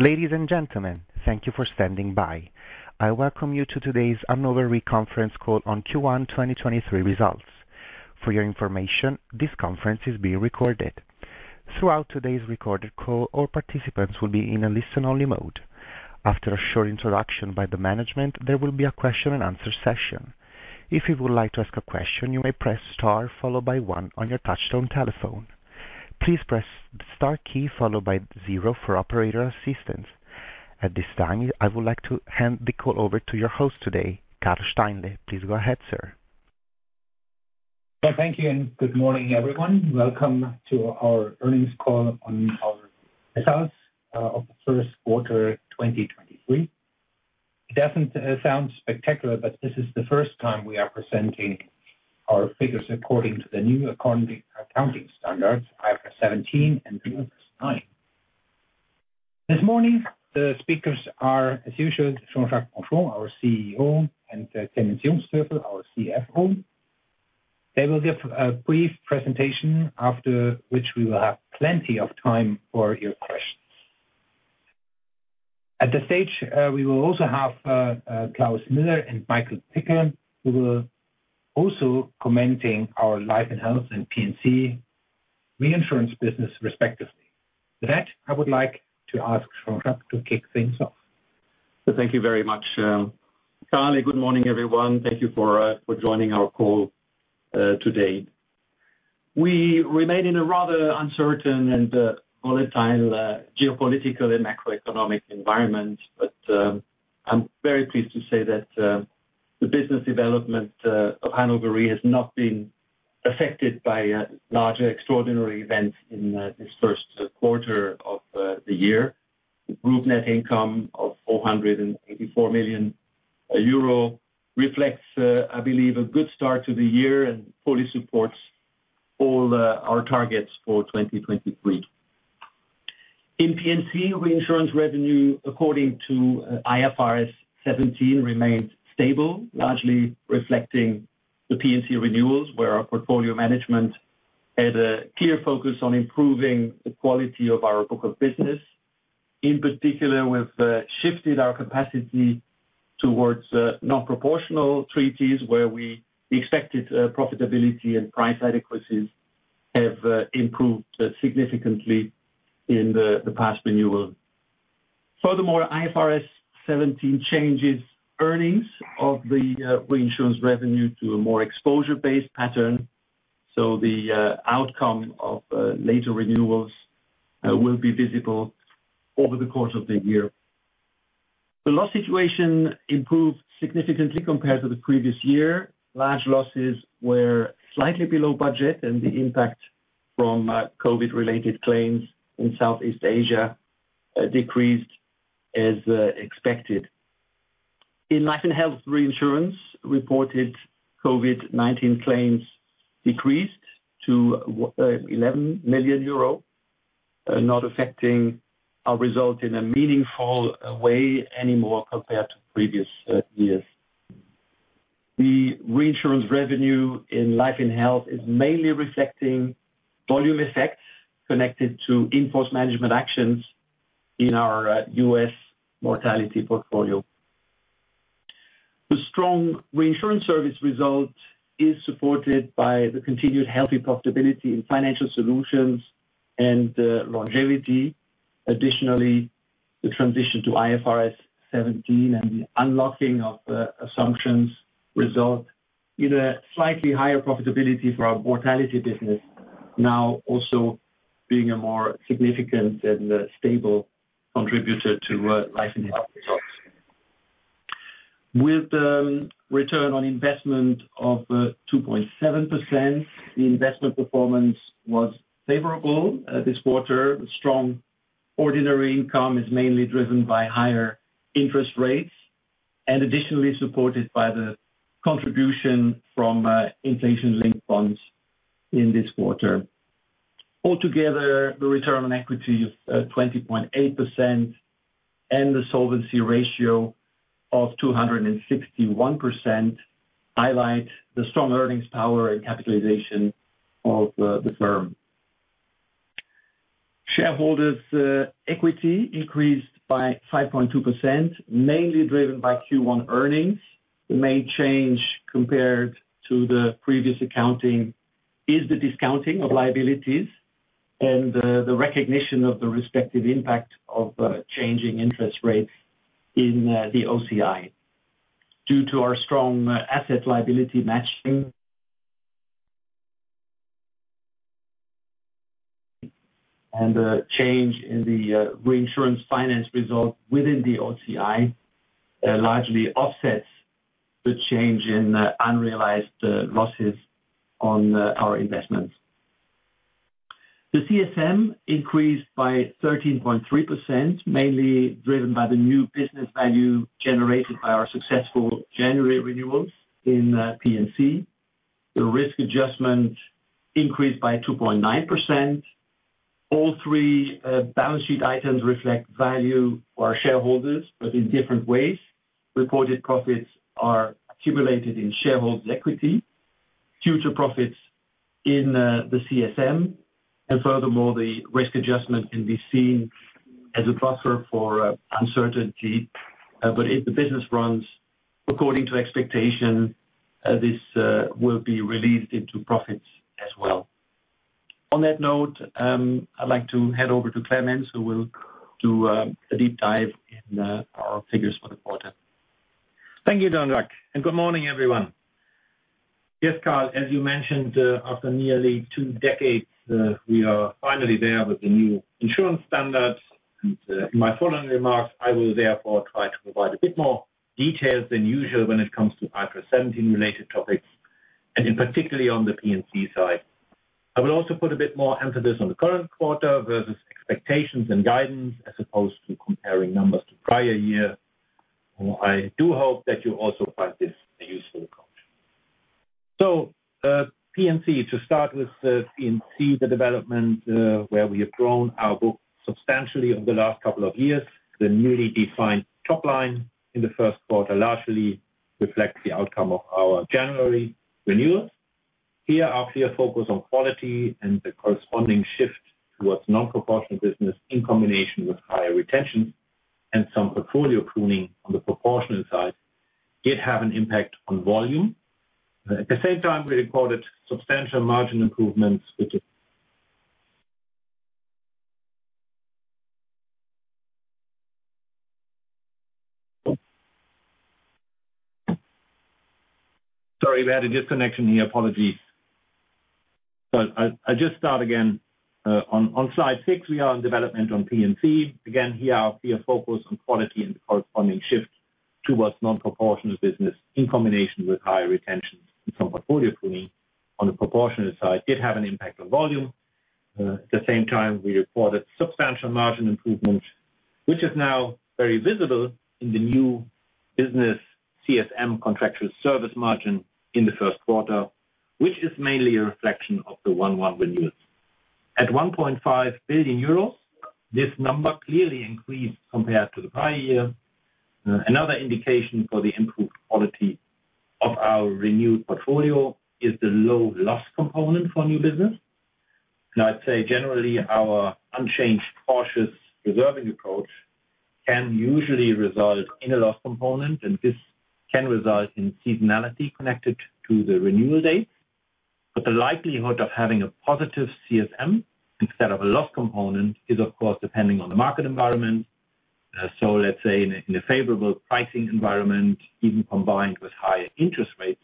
Ladies and gentlemen, thank you for standing by. I welcome you to today's Hannover Re Conference Call on Q1 2023 results. For your information, this conference is being recorded. Throughout today's recorded call, all participants will be in a listen-only mode. After a short introduction by the management, there will be a question and answer session. If you would like to ask a question, you may press star followed by one on your touchtone telephone. Please press the star key followed by zero for operator assistance. At this time, I would like to hand the call over to your host today, Karl Steinle. Please go ahead, sir. Well, thank you, and good morning, everyone. Welcome to our earnings call on our results of the first quarter 2023. It doesn't sound spectacular, but this is the first time we are presenting our figures according to the new accounting standards, IFRS 17 and IFRS 9. This morning, the speakers are, as usual, Jean-Jacques Henchoz, our CEO, and Clemens Jungsthöfel, our CFO. They will give a brief presentation after which we will have plenty of time for your questions. At the stage, we will also have Klaus Miller and Michael Pickel, who are also commenting our Life & Health and P&C reinsurance business respectively. With that, I would like to ask Jean-Jacques to kick things off. Thank you very much, Karl. Good morning, everyone. Thank you for joining our call today. We remain in a rather uncertain and volatile geopolitical and macroeconomic environment. I'm very pleased to say that the business development of Hannover Re has not been affected by a larger extraordinary event in this first quarter of the year. The group net income of 484 million euro reflects, I believe, a good start to the year and fully supports all our targets for 2023. In P&C reinsurance revenue, according to IFRS 17 remained stable, largely reflecting the P&C renewals, where our portfolio management had a clear focus on improving the quality of our book of business. In particular, we've shifted our capacity towards non-proportional treaties where we expected profitability and price adequacies have improved significantly in the past renewal. IFRS 17 changes earnings of the reinsurance revenue to a more exposure-based pattern, so the outcome of later renewals will be visible over the course of the year. The loss situation improved significantly compared to the previous year. Large losses were slightly below budget, the impact from COVID-related claims in Southeast Asia decreased as expected. In Life & Health, reinsurance reported COVID-19 claims decreased to 11 million euro, not affecting our result in a meaningful way anymore compared to previous years. The reinsurance revenue in Life & Health is mainly reflecting volume effects connected to in-force management actions in our U.S. mortality portfolio. The strong reinsurance service result is supported by the continued healthy profitability in financial solutions and longevity. Additionally, the transition to IFRS 17 and the unlocking of assumptions result in a slightly higher profitability for our mortality business, now also being a more significant and stable contributor to Life & Health results. With return on investment of 2.7%, the investment performance was favorable this quarter. The strong ordinary income is mainly driven by higher interest rates, and additionally supported by the contribution from inflation-linked bonds in this quarter. Altogether, the return on equity of 20.8% and the solvency ratio of 261% highlight the strong earnings power and capitalization of the firm. Shareholders' equity increased by 5.2%, mainly driven by Q1 earnings. The main change compared to the previous accounting is the discounting of liabilities and the recognition of the respective impact of changing interest rates in the OCI. Due to our strong asset liability matching and a change in the reinsurance finance result within the OCI, largely offsets the change in unrealized losses on our investments. The CSM increased by 13.3%, mainly driven by the new business value generated by our successful January renewals in P&C. The risk adjustment increased by 2.9%. All three balance sheet items reflect value for our shareholders, but in different ways. Reported profits are accumulated in shareholders' equity. Future profits in the CSM. Furthermore, the risk adjustment can be seen as a buffer for uncertainty. If the business runs according to expectation, this will be released into profits as well. On that note, I'd like to hand over to Clemens, who will do a deep dive in our figures for the quarter. Thank you, Jean-Jacques, good morning, everyone. Yes, Karl, as you mentioned, after nearly two decades, we are finally there with the new insurance standards. In my following remarks, I will therefore try to provide a bit more details than usual when it comes to IFRS 17 related topics, and in particularly on the P&C side. I will also put a bit more emphasis on the current quarter versus expectations and guidance, as opposed to comparing numbers to prior year. I do hope that you also find this a useful approach. P&C, to start with, P&C, the development, where we have grown our book substantially over the last couple of years. The newly defined top line in the first quarter largely reflects the outcome of our January renewals. Here, our clear focus on quality and the corresponding shift towards non-proportional business in combination with higher retention and some portfolio pruning on the proportional side did have an impact on volume. At the same time, we recorded substantial margin improvements with it. Sorry, we had a disconnection here. Apologies. I just start again on slide 6, we are on development on P&C. Again, here our clear focus on quality and the corresponding shift towards non-proportional business in combination with higher retention and some portfolio pruning on the proportional side did have an impact on volume. At the same time, we recorded substantial margin improvement, which is now very visible in the new business CSM contractual service margin in the first quarter, which is mainly a reflection of the 1/1 renewals. At 1.5 billion euros, this number clearly increased compared to the prior year. Another indication for the improved quality of our renewed portfolio is the low loss component for new business. I'd say generally, our unchanged cautious reserving approach can usually result in a loss component, and this can result in seasonality connected to the renewal date. The likelihood of having a positive CSM instead of a loss component is, of course, depending on the market environment. Let's say in a favorable pricing environment, even combined with higher interest rates,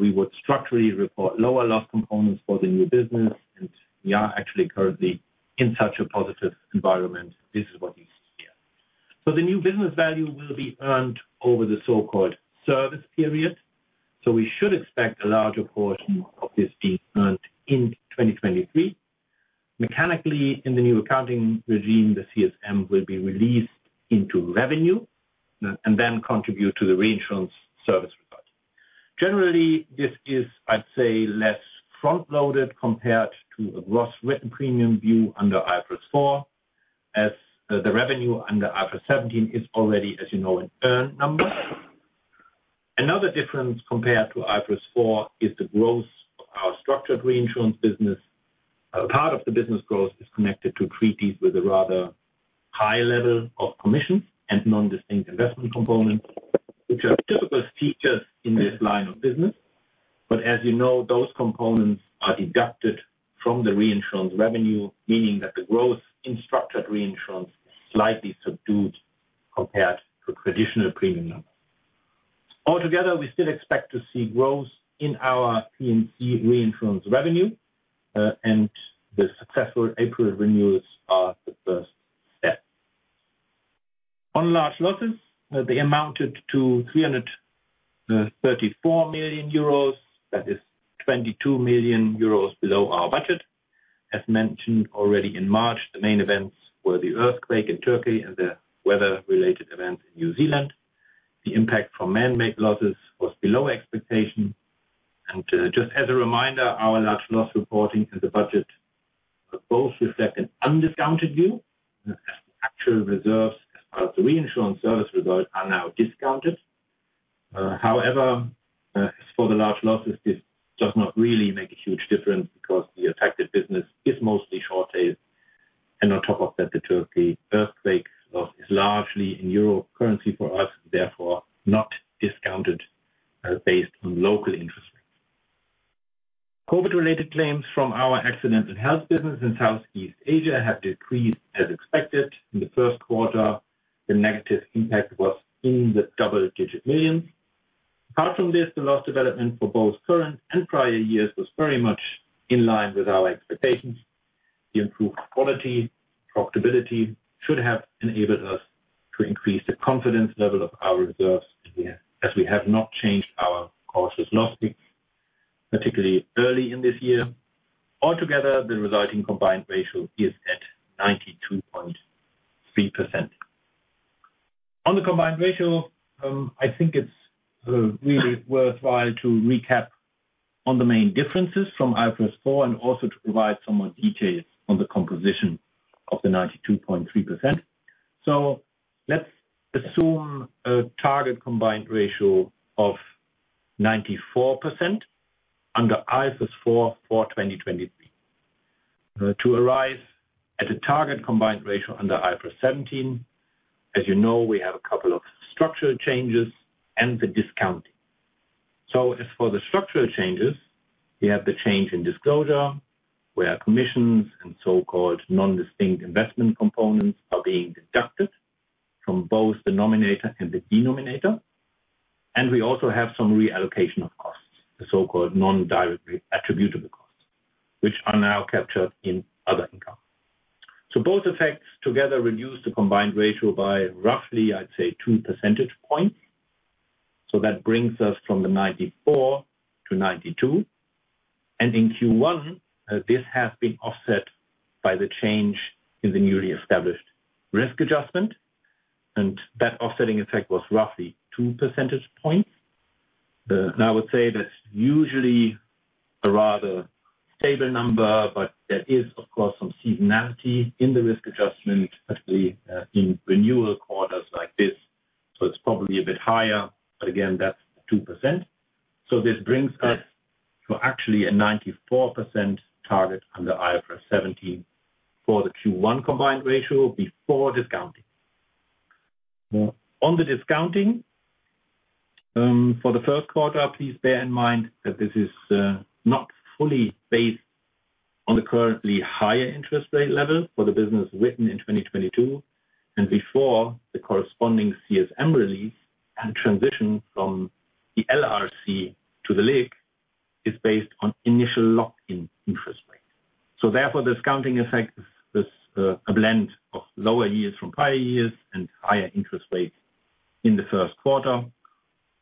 we would structurally report lower loss components for the new business, and we are actually currently in such a positive environment. This is what we see here. The new business value will be earned over the so-called service period. We should expect a larger portion of this being earned in 2023. Mechanically, in the new accounting regime, the CSM will be released into revenue, and then contribute to the reinsurance service result. Generally, this is, I'd say, less front-loaded compared to a gross written premium view under IFRS 4, as the revenue under IFRS 17 is already, as you know, an earned number. Another difference compared to IFRS 4 is the growth of our structured reinsurance business. Part of the business growth is connected to treaties with a rather high level of commission and non-distinct investment component, which are typical features in this line of business. As you know, those components are deducted from the reinsurance revenue, meaning that the growth in structured reinsurance is slightly subdued compared to traditional premium numbers. Altogether, we still expect to see growth in our P&C reinsurance revenue, and the successful April renewals are the first step. On large losses, they amounted to 334 million euros, that is 22 million euros below our budget. As mentioned already in March, the main events were the earthquake in Turkey and the weather-related events in New Zealand. The impact from man-made losses was below expectation. Just as a reminder, our large loss reporting in the budget both reflect an undiscounted view, as the actual reserves, as part of the reinsurance service result, are now discounted. However, as for the large losses, this does not really make a huge difference because the affected business is mostly short tail. On top of that, the Turkey earthquake loss is largely in euro currency for us, therefore not discounted, based on local interest rates. COVID-related claims from our accident and health business in Southeast Asia have decreased as expected. In the first quarter, the negative impact was in the double-digit millions. Apart from this, the loss development for both current and prior years was very much in line with our expectations. The improved quality profitability should have enabled us to increase the confidence level of our reserves as we have not changed our cautious loss mix, particularly early in this year. Altogether, the resulting combined ratio is at 92.3%. On the combined ratio, I think it's really worthwhile to recap on the main differences from IFRS 4 and also to provide some more details on the composition of the 92.3%. Let's assume a target combined ratio of 94% under IFRS 4 for 2023. To arrive at a target combined ratio under IFRS 17, as you know, we have a couple of structural changes and the discounting. As for the structural changes, we have the change in disclosure, where commissions and so-called non-distinct investment components are being deducted from both the nominator and the denominator. We also have some reallocation of costs, the so-called non-directly attributable costs, which are now captured in other income. Both effects together reduce the combined ratio by roughly, I'd say, 2 percentage points. That brings us from the 94% to 92%. In Q1, this has been offset by the change in the newly established risk adjustment, and that offsetting effect was roughly 2 percentage points. I would say that's usually a rather stable number, but there is, of course, some seasonality in the risk adjustment, especially in renewal quarters like this. It's probably a bit higher, but again, that's 2%. This brings us to actually a 94% target under IFRS 17 for the Q1 combined ratio before discounting. On the discounting, for the first quarter, please bear in mind that this is not fully based on the currently higher interest rate level for the business written in 2022 and before the corresponding CSM release and transition from the LRC to the LIC is based on initial lock-in interest rates. Therefore, discounting effect is a blend of lower years from prior years and higher interest rates in the first quarter.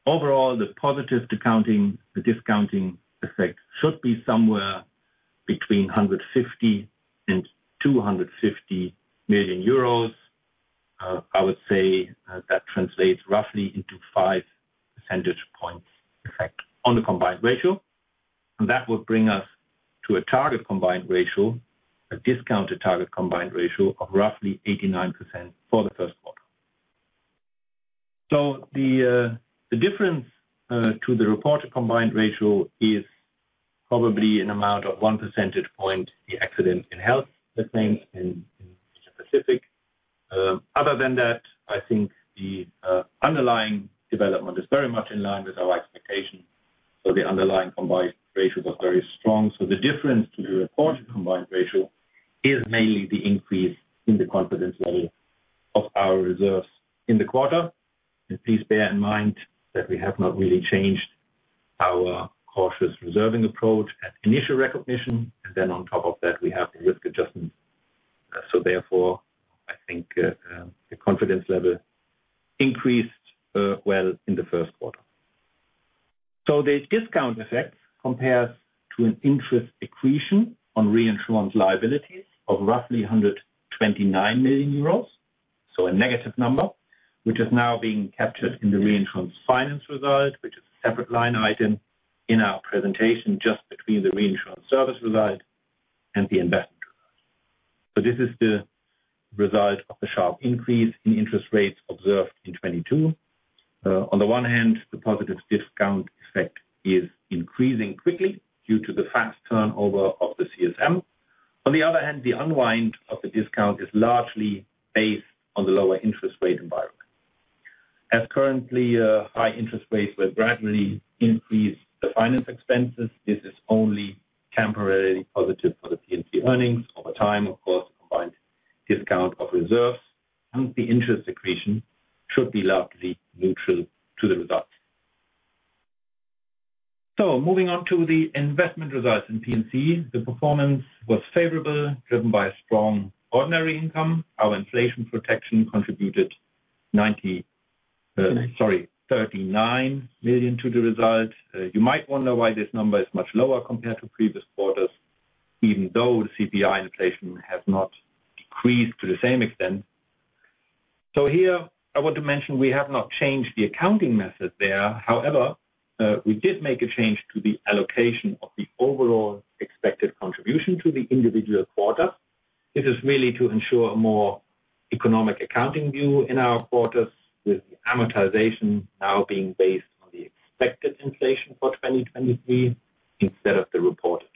Overall, the positive discounting, the discounting effect should be somewhere between 150 million and 250 million euros. That translates roughly into 5 percentage points effect on the combined ratio. That would bring us to a target combined ratio, a discounted target combined ratio of roughly 89% for the first quarter. The difference to the reported combined ratio is probably an amount of 1 percentage point. The accident in health, the same in Asia Pacific. Other than that, the underlying development is very much in line with our expectations. The underlying combined ratios are very strong. The difference to the reported combined ratio is mainly the increase in the confidence level of our reserves in the quarter. Please bear in mind that we have not really changed our cautious reserving approach at initial recognition, and then on top of that, we have the risk adjustment. Therefore, I think the confidence level increased well in the first quarter. This discount effect compares to an interest accretion on reinsurance liabilities of roughly 129 million euros. A negative number, which is now being captured in the reinsurance finance result, which is a separate line item in our presentation, just between the reinsurance service result and the investment. This is the result of the sharp increase in interest rates observed in 2022. On the one hand, the positive discount effect is increasing quickly due to the fast turnover of the CSM. On the other hand, the unwind of the discount is largely based on the lower interest rate environment. As currently, high interest rates will gradually increase the finance expenses, this is only temporarily positive for the P&C earnings. Over time, of course, the combined discount of reserves and the interest accretion should be largely neutral to the results. Moving on to the investment results in P&C. The performance was favorable, driven by a strong ordinary income. Our inflation protection contributed, sorry, 39 million to the results. You might wonder why this number is much lower compared to previous quarters, even though the CPI inflation has not decreased to the same extent. Here I want to mention we have not changed the accounting method there. However, we did make a change to the allocation of the overall expected contribution to the individual quarter. This is really to ensure a more economic accounting view in our quarters, with the amortization now being based on the expected inflation for 2023 instead of the reported.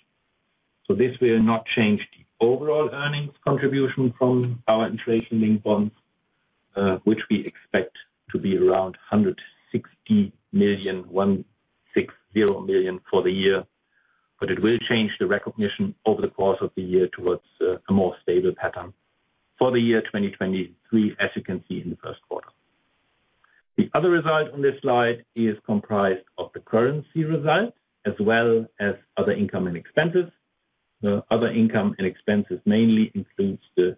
This will not change the overall earnings contribution from our inflation-linked bonds, which we expect to be around 160 million for the year. It will change the recognition over the course of the year towards a more stable pattern for the year 2023, as you can see in the first quarter. The other result on this slide is comprised of the currency result as well as other income and expenses. The other income and expenses mainly includes the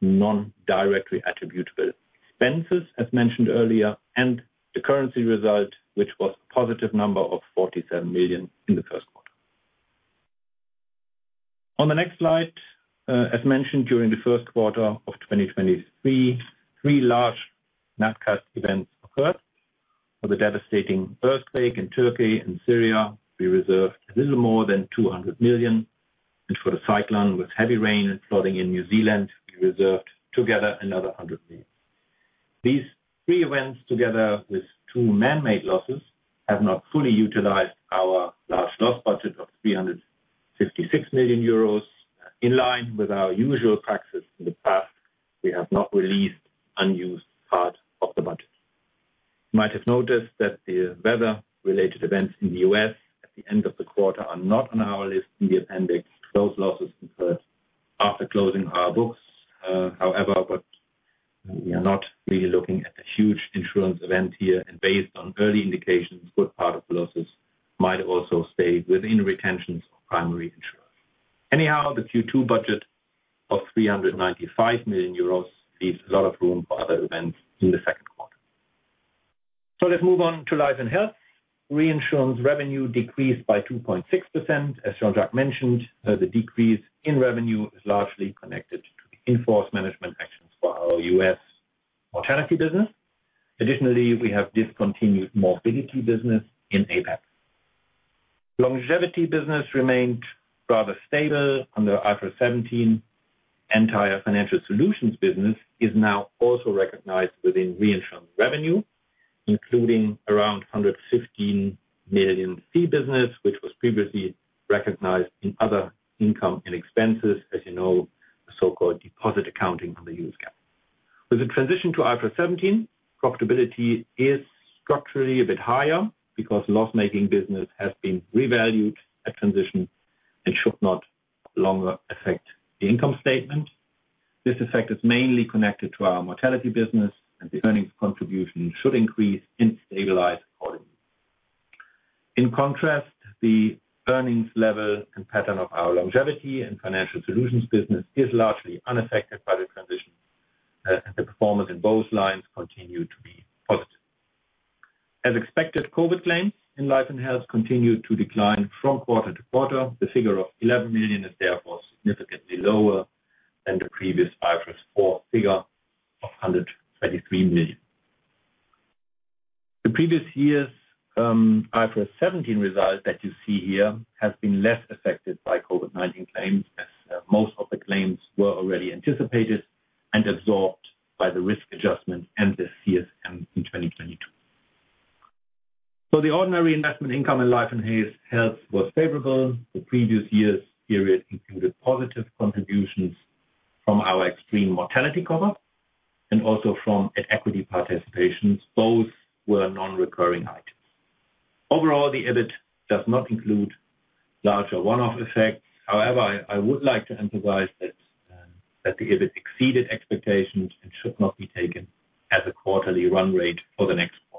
non-directly attributable expenses, as mentioned earlier, and the currency result, which was a positive number of 47 million in the first quarter. On the next slide, as mentioned during the first quarter of 2023, three large NatCat events occurred. For the devastating earthquake in Turkey and Syria, we reserved a little more than 200 million, and for the cyclone with heavy rain and flooding in New Zealand, we reserved together another 100 million. These three events, together with two manmade losses, have not fully utilized our large loss budget of 356 million euros. In line with our usual practice in the past, we have not released unused part of the budget. You might have noticed that the weather-related events in the U.S. at the end of the quarter are not on our list in the appendix. Those losses occurred after closing our books, however, but we are not really looking at a huge insurance event here. Based on early indications, good part of the losses might also stay within retentions of primary insurance. Anyhow, the Q2 budget of 395 million euros leaves a lot of room for other events in the second quarter. Let's move on to Life & Health. Reinsurance revenue decreased by 2.6%. As Jean-Jacques mentioned, the decrease in revenue is largely connected to the in-force management actions for our U.S. mortality business. Additionally, we have discontinued morbidity business in APAC. Longevity business remained rather stable under IFRS 17. Entire financial solutions business is now also recognized within reinsurance revenue, including around 115 million fee business, which was previously recognized in other income and expenses. As you know, the so-called deposit accounting under U.S. GAAP. With the transition to IFRS 17, profitability is structurally a bit higher because loss-making business has been revalued at transition and should not longer affect the income statement. This effect is mainly connected to our mortality business and the earnings contribution should increase in stabilized volume. In contrast, the earnings level and pattern of our longevity and financial solutions business is largely unaffected by the transition, and the performance in both lines continue to be positive. As expected, COVID claims in Life & Health continued to decline from quarter to quarter. The figure of 11 million is therefore significantly lower than the previous IFRS 4 figure of 123 million. The previous year's IFRS 17 result that you see here has been less affected by COVID-19 claims, as most of the claims were already anticipated and absorbed by the risk adjustment and the CSM in 2022. The ordinary investment income in Life & Health was favorable. The previous year's period included positive contributions from our extreme mortality cover and also from at equity participations. Both were non-recurring items. Overall, the EBIT does not include larger one-off effects. However, I would like to emphasize that the EBIT exceeded expectations and should not be taken as a quarterly run rate for the next quarters.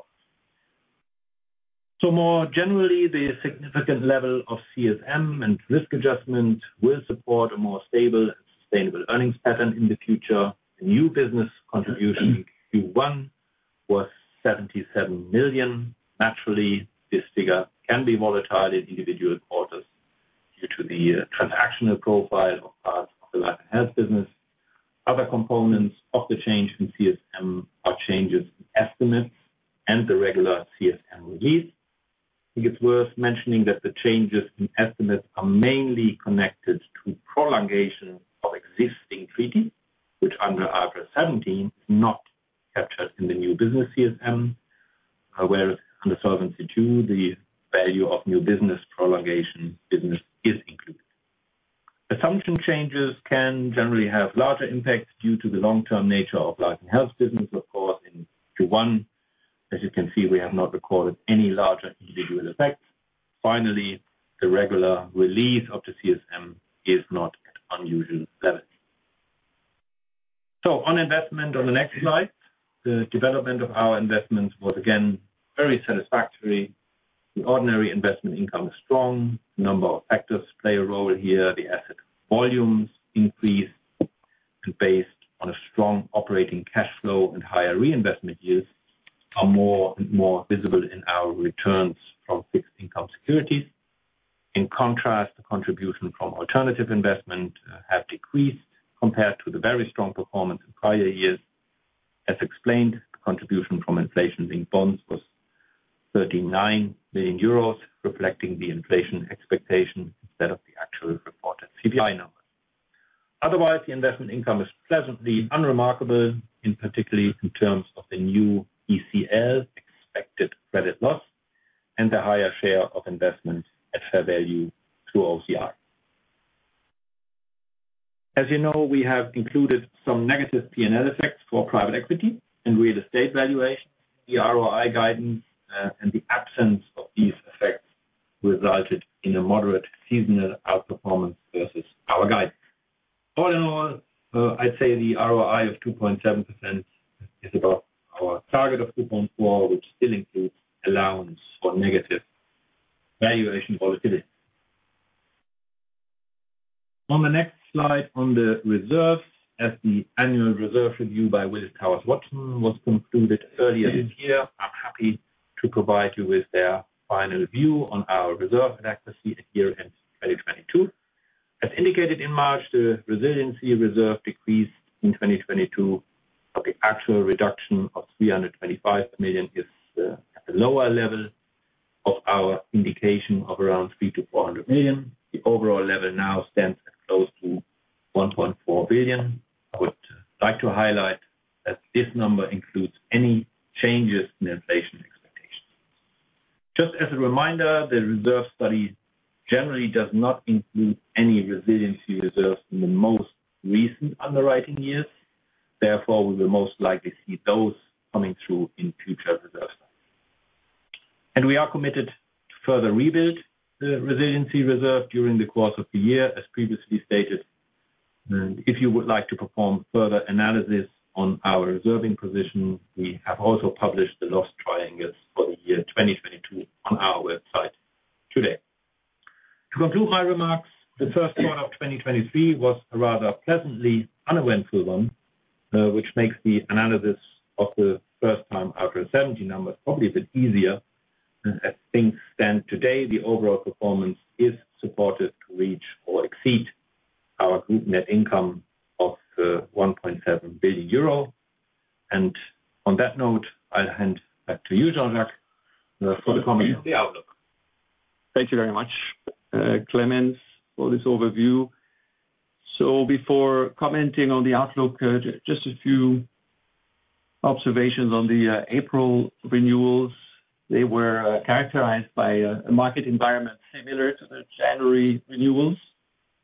More generally, the significant level of CSM and risk adjustment will support a more stable and sustainable earnings pattern in the future. The new business contribution in Q1 was 77 million. Naturally, this figure can be volatile in individual quarters due to the transactional profile of parts of the Life & Health business. Other components of the change in CSM are changes in estimates and the regular CSM release. I think it's worth mentioning that the changes in estimates are mainly connected to prolongation of existing treaty, which under IFRS 17 is not captured in the new business CSM. However, under Solvency II, the value of new business prolongation business is included. Assumption changes can generally have larger impacts due to the long-term nature of Life & Health business. Of course, in Q1, as you can see, we have not recorded any larger individual effects. Finally, the regular release of the CSM is not at unusual levels. On investment on the next slide, the development of our investments was again very satisfactory. The ordinary investment income is strong. A number of factors play a role here. The asset volumes increased. Based on a strong operating cash flow and higher reinvestment yields are more and more visible in our returns from fixed income securities. In contrast, the contribution from alternative investment have decreased compared to the very strong performance in prior years. As explained, the contribution from inflation-linked bonds was 39 million euros, reflecting the inflation expectation instead of the actual reported CPI numbers. Otherwise, the investment income is pleasantly unremarkable, in particular in terms of the new ECL Expected credit loss and the higher share of investment at fair value through OCI. As you know, we have included some negative P&L effects for private equity and real estate valuation. The ROI guidance, and the absence of these effects resulted in a moderate seasonal outperformance versus our guide. All in all, I'd say the ROI of 2.7% is above our target of 2.4%, which still includes allowance for negative valuation volatility. On the next slide on the reserves, as the annual reserve review by Willis Towers Watson was concluded earlier this year, I'm happy to provide you with their final view on our reserve adequacy at year-end 2022. As indicated in March, the resilience reserve decreased in 2022, but the actual reduction of 325 million is at the lower level of our indication of around 300 million-400 million. The overall level now stands at close to 1.4 billion. I would like to highlight that this number includes any changes in inflation expectations. Just as a reminder, the reserve study generally does not include any resilience reserves in the most recent underwriting years. Therefore, we will most likely see those coming through in future reserves. We are committed to further rebuild the resilience reserve during the course of the year, as previously stated. If you would like to perform further analysis on our reserving position, we have also published the loss triangles for the year 2022 on our website today. To conclude my remarks, the first quarter of 2023 was a rather pleasantly uneventful one, which makes the analysis of the first time IFRS 17 numbers probably a bit easier. As things stand today, the overall performance is supported to reach or exceed our group net income of 1.7 billion euro. On that note, I'll hand back to you, Jean-Jacques, for the comments, the outlook. Thank you very much, Clemens, for this overview. Before commenting on the outlook, just a few observations on the April renewals. They were characterized by a market environment similar to the January renewals.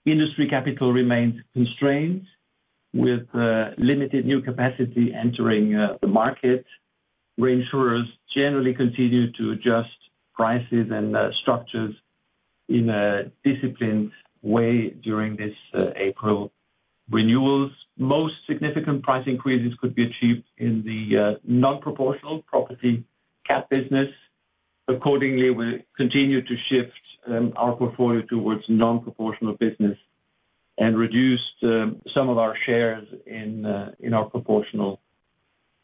Industry capital remains constrained, with limited new capacity entering the market. Reinsurers generally continued to adjust prices and structures in a disciplined way during this April renewals. Most significant price increases could be achieved in the non-proportional property cat business. Accordingly, we continue to shift our portfolio towards non-proportional business and reduce some of our shares in our proportional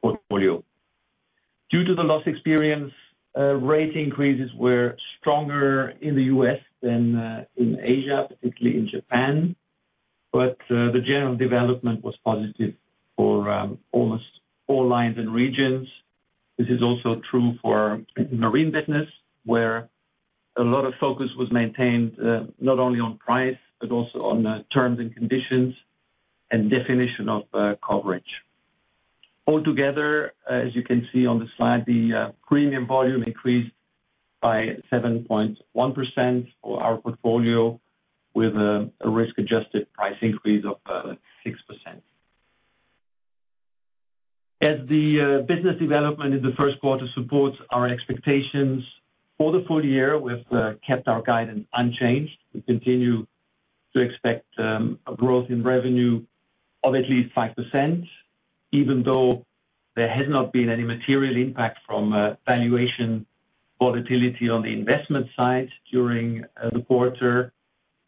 portfolio. Due to the loss experience, rate increases were stronger in the U.S. than in Asia, particularly in Japan. The general development was positive for almost all lines and regions. This is also true for marine business, where a lot of focus was maintained, not only on price, but also on the terms and conditions and definition of coverage. Altogether, as you can see on the slide, the premium volume increased by 7.1% for our portfolio with a risk adjusted price increase of 6%. As the business development in the first quarter supports our expectations for the full year, we've kept our guidance unchanged. We continue to expect a growth in revenue of at least 5%, even though there has not been any material impact from valuation volatility on the investment side during the quarter.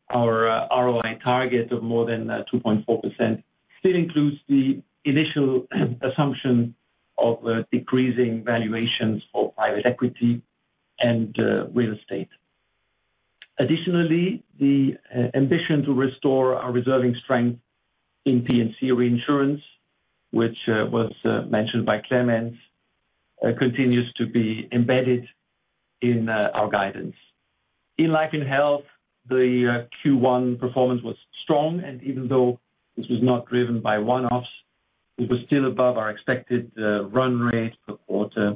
Our ROI target of more than 2.4% still includes the initial assumption of decreasing valuations for private equity and real estate. Additionally, the ambition to restore our reserving strength in P&C reinsurance, which was mentioned by Clemens, continues to be embedded in our guidance. In Life & Health, the Q1 performance was strong, even though this was not driven by one-offs, it was still above our expected run rate per quarter.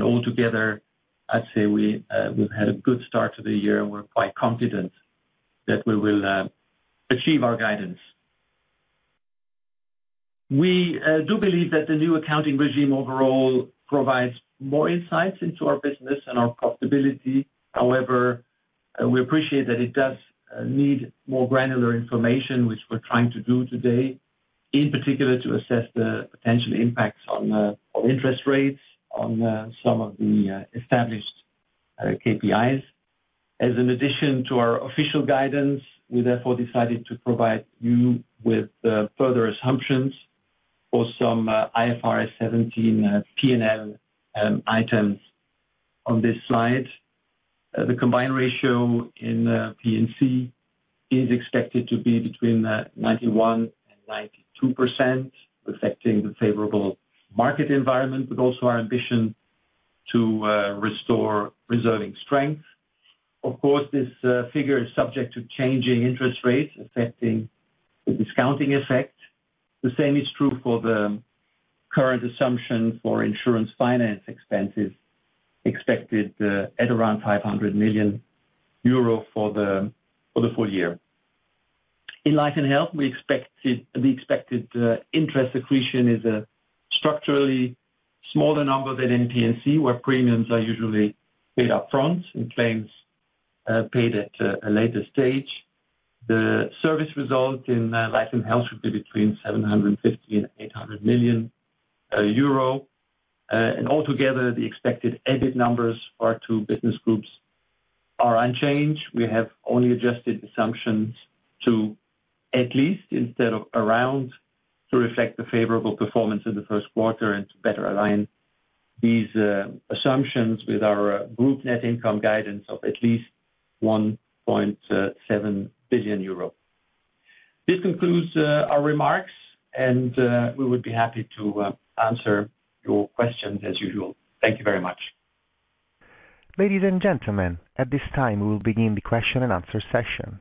Altogether, I'd say we've had a good start to the year, and we're quite confident that we will achieve our guidance. We do believe that the new accounting regime overall provides more insights into our business and our profitability. However, we appreciate that it does need more granular information, which we're trying to do today, in particular, to assess the potential impacts on interest rates on some of the established KPIs. An addition to our official guidance, we therefore decided to provide you with further assumptions for some IFRS 17 P&L items on this slide. The combined ratio in P&C is expected to be between 91% and 92%, reflecting the favorable market environment, also our ambition to restore reserving strength. Of course, this figure is subject to changing interest rates affecting the discounting effect. The same is true for the current assumption for insurance finance expenses expected at around 500 million euro for the full year. In Life & Health, the expected interest accretion is a structurally smaller number than in P&C, where premiums are usually paid up front and claims paid at a later stage. The service result in Life & Health should be between 750 million and 800 million euro. Altogether, the expected EBIT numbers for our two business groups are unchanged. We have only adjusted assumptions to at least instead of around, to reflect the favorable performance in the first quarter and to better align. These assumptions with our group net income guidance of at least 1.7 billion euro. This concludes our remarks. We would be happy to answer your questions as usual. Thank you very much. Ladies and gentlemen, at this time we will begin the question and answer session.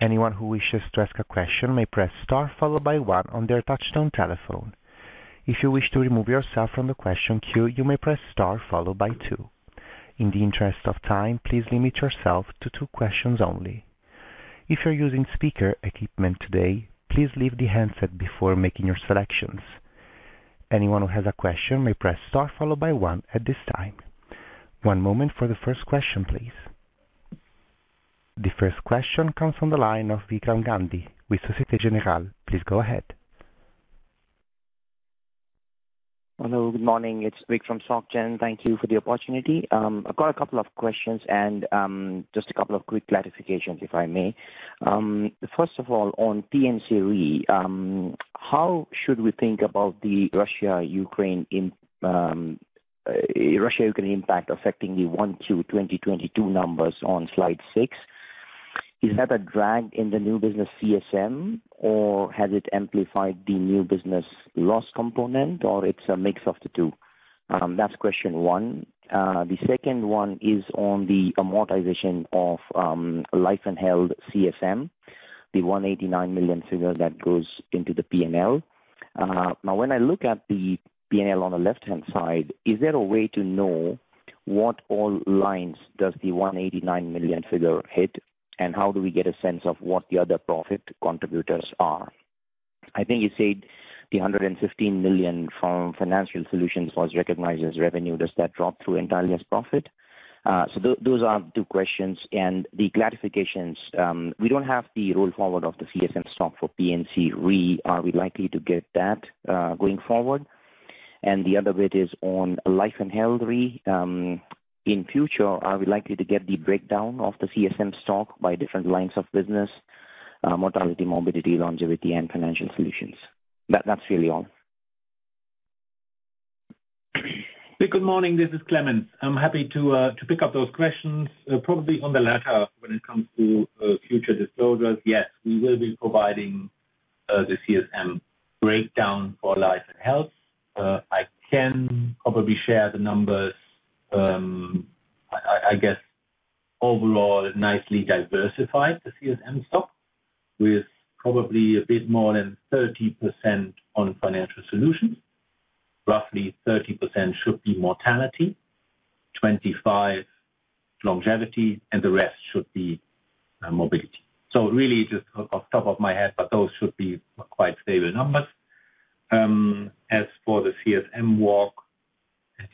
Anyone who wishes to ask a question may press star followed by one on their touchtone telephone. If you wish to remove yourself from the question queue, you may press star followed by two. In the interest of time, please limit yourself to two questions only. If you're using speaker equipment today, please leave the handset before making your selections. Anyone who has a question may press star followed by one at this time. One moment for the first question, please. The first question comes from the line of Vikram Gandhi with Société Générale. Please go ahead. Hello. Good morning. It's Vik from Soc Gen. Thank you for the opportunity. I've got a couple of questions and just a couple of quick clarifications, if I may. First of all, on P&C Re, how should we think about the Russia, Ukraine, Russia-Ukraine impact affecting the 1Q 2022 numbers on slide six? Is that a drag in the new business CSM, or has it amplified the new business loss component, or it's a mix of the two? That's question one. The second one is on the amortization of Life & Health CSM, the 189 million figure that goes into the P&L. When I look at the P&L on the left-hand side, is there a way to know what all lines does the 189 million figure hit? How do we get a sense of what the other profit contributors are? I think you said the 115 million from financial solutions was recognized as revenue. Does that drop through entirely as profit? Those are two questions. The clarifications, we don't have the roll forward of the CSM stock for P&C Re. Are we likely to get that going forward? The other bit is onLife & Health Re. In future, are we likely to get the breakdown of the CSM stock by different lines of business, mortality, morbidity, longevity and financial solutions? That's really all. Vik, good morning, this is Clemens. I'm happy to pick up those questions. Probably on the latter, when it comes to future disclosures. Yes, we will be providing the CSM breakdown for Life & Health. I can probably share the numbers. I guess overall nicely diversified the CSM stock with probably a bit more than 30% on financial solutions. Roughly 30% should be mortality, 25% longevity, and the rest should be morbidity. Really, just off the top of my head, but those should be quite stable numbers. As for the CSM walk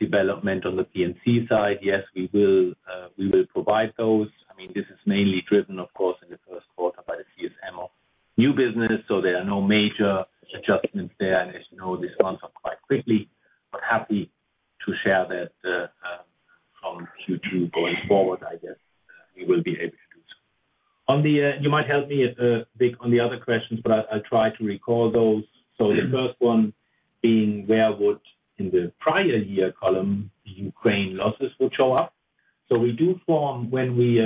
as development on the P&C side, yes, we will, we will provide those. I mean, this is mainly driven, of course, in the first quarter by the CSM of new business, there are no major adjustments there. As you know, these ones are quite quickly. Happy to share that, from Q2 going forward. I guess, we will be able to do so. On the, you might help me, Vik, on the other questions, but I'll try to recall those. The first one being, where would, in the prior year column, the Ukraine losses would show up. We do form when we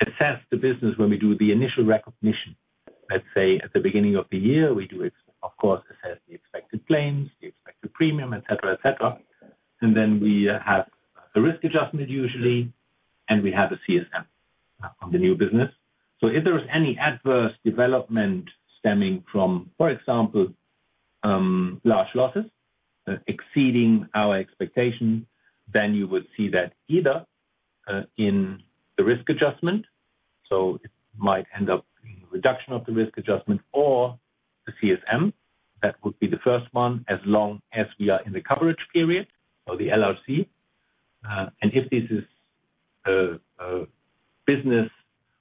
assess the business, when we do the initial recognition. Let's say at the beginning of the year, we do it, of course, assess the expected claims, the expected premium, et cetera, et cetera. Then we have the risk adjustment usually, and we have a CSM on the new business. If there is any adverse development stemming from, for example, large losses, exceeding our expectation, you would see that either in the risk adjustment. It might end up being reduction of the risk adjustment or the CSM. That would be the first one, as long as we are in the coverage period or the LRC. If this is a business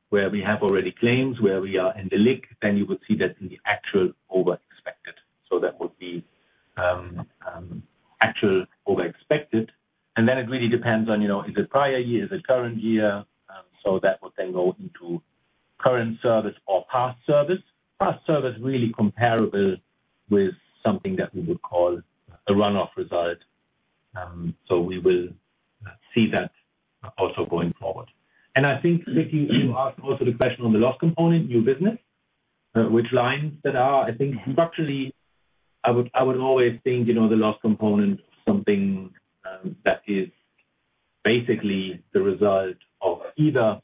where we have already claims, where we are in the leak, you would see that in the actual over expected. That would be actual over expected. Then it really depends on, you know, is it prior year? Is it current year? That would then go into current service or past service. Past service, really comparable with something that we would call a run off result. We will see that also going forward. I think, Vik, you asked also the question on the loss component, new business, which lines that are. I think structurally, I would always think, you know, the loss component, something that is basically the result of either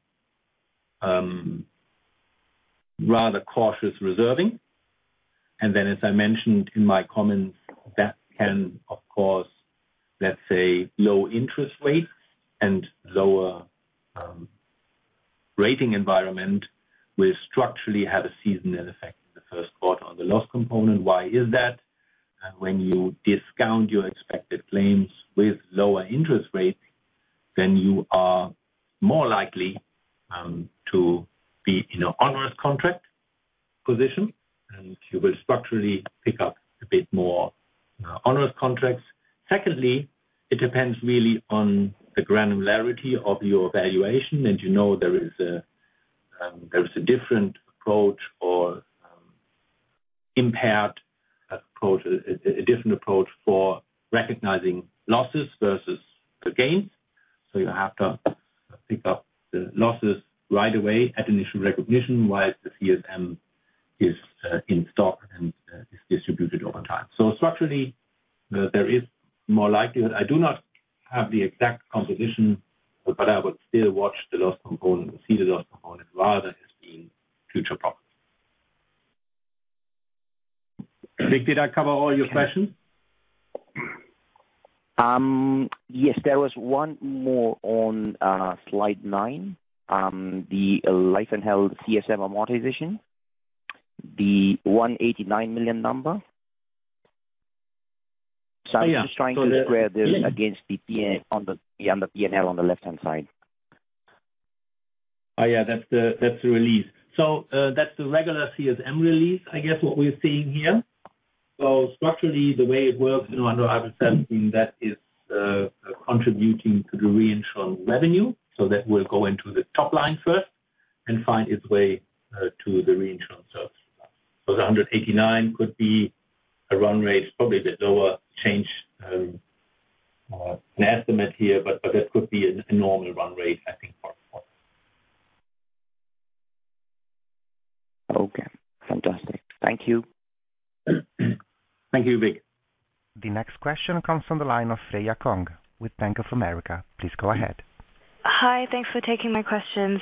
rather cautious reserving. As I mentioned in my comments, that can of course, let's say low interest rates and lower rating environment will structurally have a seasonal effect in the first quarter on the loss component. Why is that? When you discount your expected claims with lower interest rates, then you are more likely to be in an onerous contract position, and you will structurally pick up a bit more onerous contracts. Secondly, it depends really on the granularity of your valuation. You know, there is a different approach for recognizing losses versus the gains. You have to pick up the losses right away at initial recognition, while the CSM is in stock and is distributed over time. Structurally, there is more likelihood. I do not have the exact composition, but I would still watch the loss component, see the loss component rather as being future profits. Vik, did I cover all your questions? Yes, there was one more on slide nine. The Life & Health CSM amortization, the EUR 189 million number. Oh, yeah. I'm just trying to square this against on the under P&L on the left-hand side. Yeah, that's the release. That's the regular CSM release, I guess, what we're seeing here. Structurally, the way it works, you know, under IBNR, that is contributing to the reinsurance revenue. That will go into the top line first and find its way to the reinsurance service. The 189 million could be a run rate, probably the lower change, an estimate here, but that could be a normal run rate, I think, for it. Okay. Fantastic. Thank you. Thank you, Vik. The next question comes from the line of Freya Kong with Bank of America. Please go ahead. Hi. Thanks for taking my questions.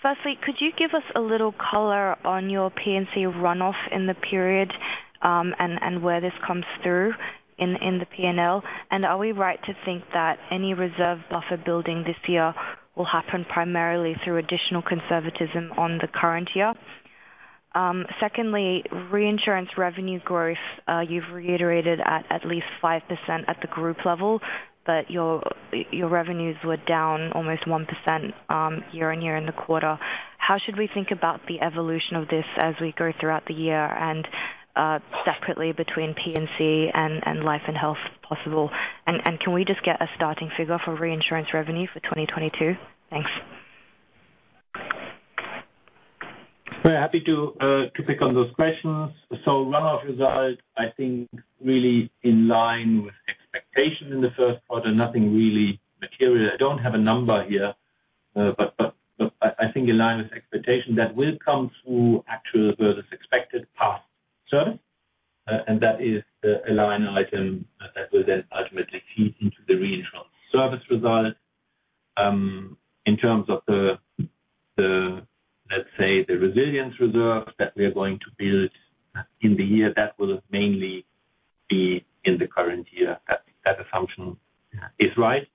Firstly, could you give us a little color on your P&C runoff in the period, and where this comes through in the P&L? Are we right to think that any reserve buffer building this year will happen primarily through additional conservatism on the current year? Secondly, reinsurance revenue growth, you've reiterated at least 5% at the group level, but your revenues were down almost 1% year-on-year in the quarter. How should we think about the evolution of this as we go throughout the year and separately between P&C and Life & Health if possible? Can we just get a starting figure for reinsurance revenue for 2022? Thanks. Very happy to pick on those questions. Runoff results, I think really in line with expectations in the first quarter, nothing really material. I don't have a number here, but I think in line with expectation, that will come through actual versus expected past service. That is a line item that will then ultimately feed into the reinsurance service result. In terms of the, let's say, the resilience reserves that we are going to build in the year, that will mainly be in the current year. That assumption is right.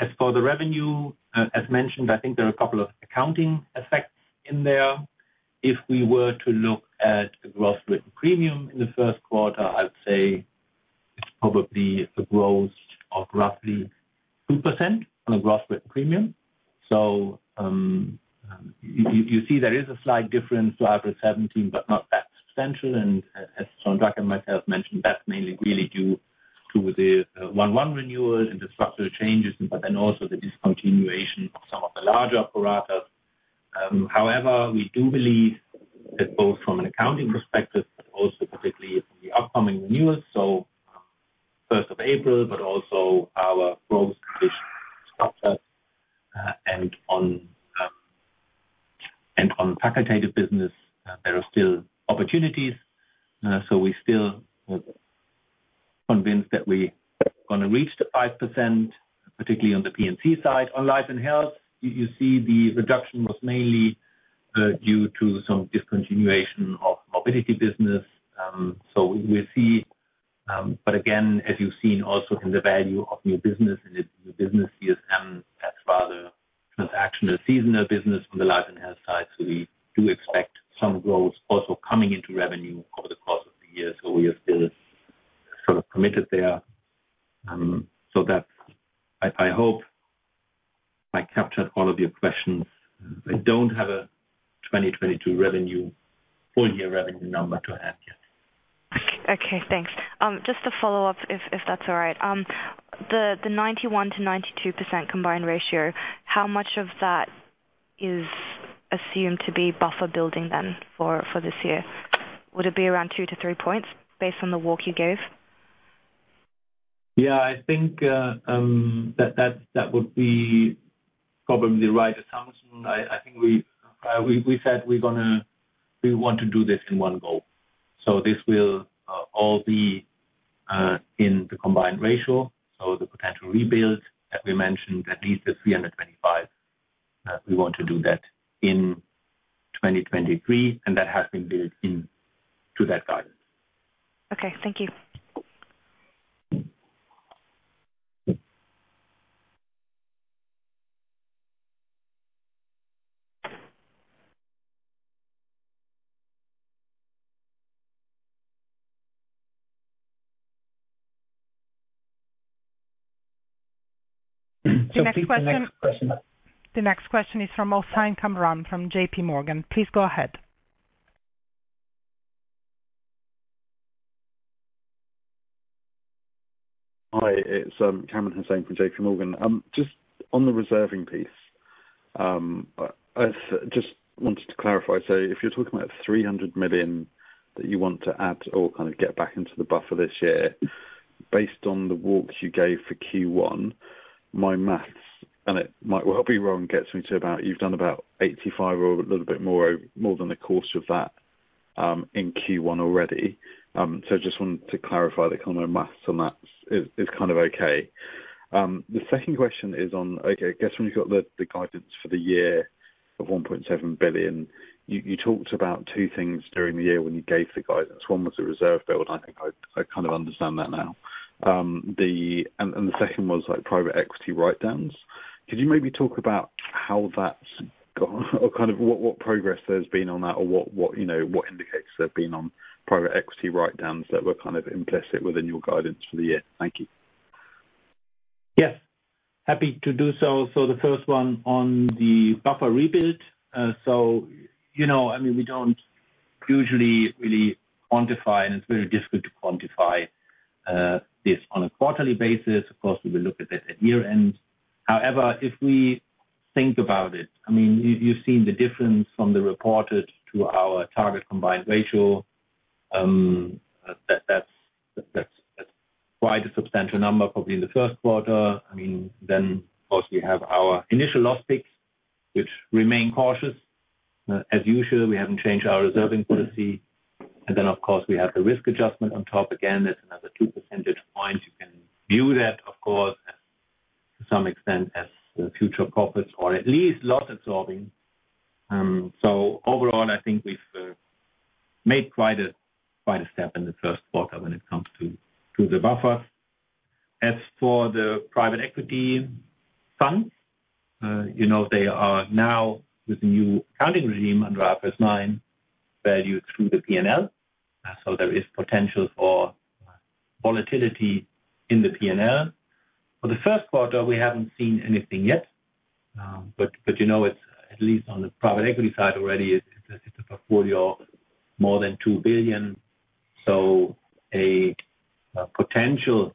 As for the revenue, as mentioned, I think there are a couple of accounting effects in there. If we were to look at the gross written premium in the first quarter, I'd say it's probably a growth of roughly 2% on a gross written premium. You see there is a slight difference to IFRS 17, but not that substantial. As Jean-Jacques and myself mentioned, that's mainly really due to the 1/1 renewals and the structural changes, but then also the discontinuation of some of the larger pro ratas. However, we do believe that both from an accounting perspective, but also particularly from the upcoming renewals, 1st of April, but also our growth position structure and on facultative business, there are still opportunities. We're still convinced that we gonna reach the 5%, particularly on the P&C side. On Life & Health, you see the reduction was mainly due to some discontinuation of morbidity business. We'll see. Again, as you've seen also in the value of new business and the business CSM, that's rather transactional, seasonal business from the Life & Health side. We do expect some growth also coming into revenue over the course of the year. We are still sort of committed there. I hope I captured all of your questions. I don't have a 2022 revenue, full year revenue number to add yet. Okay. Thanks. Just to follow up, if that's all right. The 91%-92% combined ratio, how much of that is assumed to be buffer building then for this year? Would it be around 2-3 points based on the walk you gave? I think that would be probably the right assumption. I think we said we want to do this in one go. This will all be in the combined ratio. The potential rebuild, as we mentioned, at least the 325 million. We want to do that in 2023, and that has been built into that guidance. Okay. Thank you. The next question. The next question is from Kamran Hosain from JPMorgan. Please go ahead. Hi, it's Kamran Hosain from JPMorgan. Just on the reserving piece, I just wanted to clarify. If you're talking about 300 million that you want to add or kind of get back into the buffer this year, based on the walks you gave for Q1, my maths, and it might well be wrong, gets me to about you've done about 85 million or a little bit more than the course of that in Q1 already. Just wanted to clarify the kind of maths on that is kind of okay. The second question is on, okay, I guess when you've got the guidance for the year of 1.7 billion, you talked about two things during the year when you gave the guidance. One was the reserve build. I think I kind of understand that now. The second was, like, private equity writedowns. Could you maybe talk about how that's gone? Kind of what progress there's been on that or what, you know, what indicators there've been on private equity writedowns that were kind of implicit within your guidance for the year? Thank you. Yes. Happy to do so. The first one on the buffer rebuild. You know, I mean, we don't usually really quantify, and it's very difficult to quantify this on a quarterly basis. Of course, we will look at that at year-end. However, if we think about it, I mean, you've seen the difference from the reported to our target combined ratio. That's quite a substantial number probably in the first quarter. Of course, we have our initial loss picks, which remain cautious. As usual, we haven't changed our reserving policy. Of course, we have the risk adjustment on top again. That's another 2 percentage points. You can view that, of course, to some extent as future profits or at least loss absorbing. Overall, I think we've made quite a step in the first quarter when it comes to the buffers. As for the private equity funds, you know, they are now with the new accounting regime under IFRS 9 valued through the P&L. There is potential for volatility in the P&L. For the first quarter, we haven't seen anything yet. You know, it's at least on the private equity side already is, it's a portfolio of more than 2 billion. A potential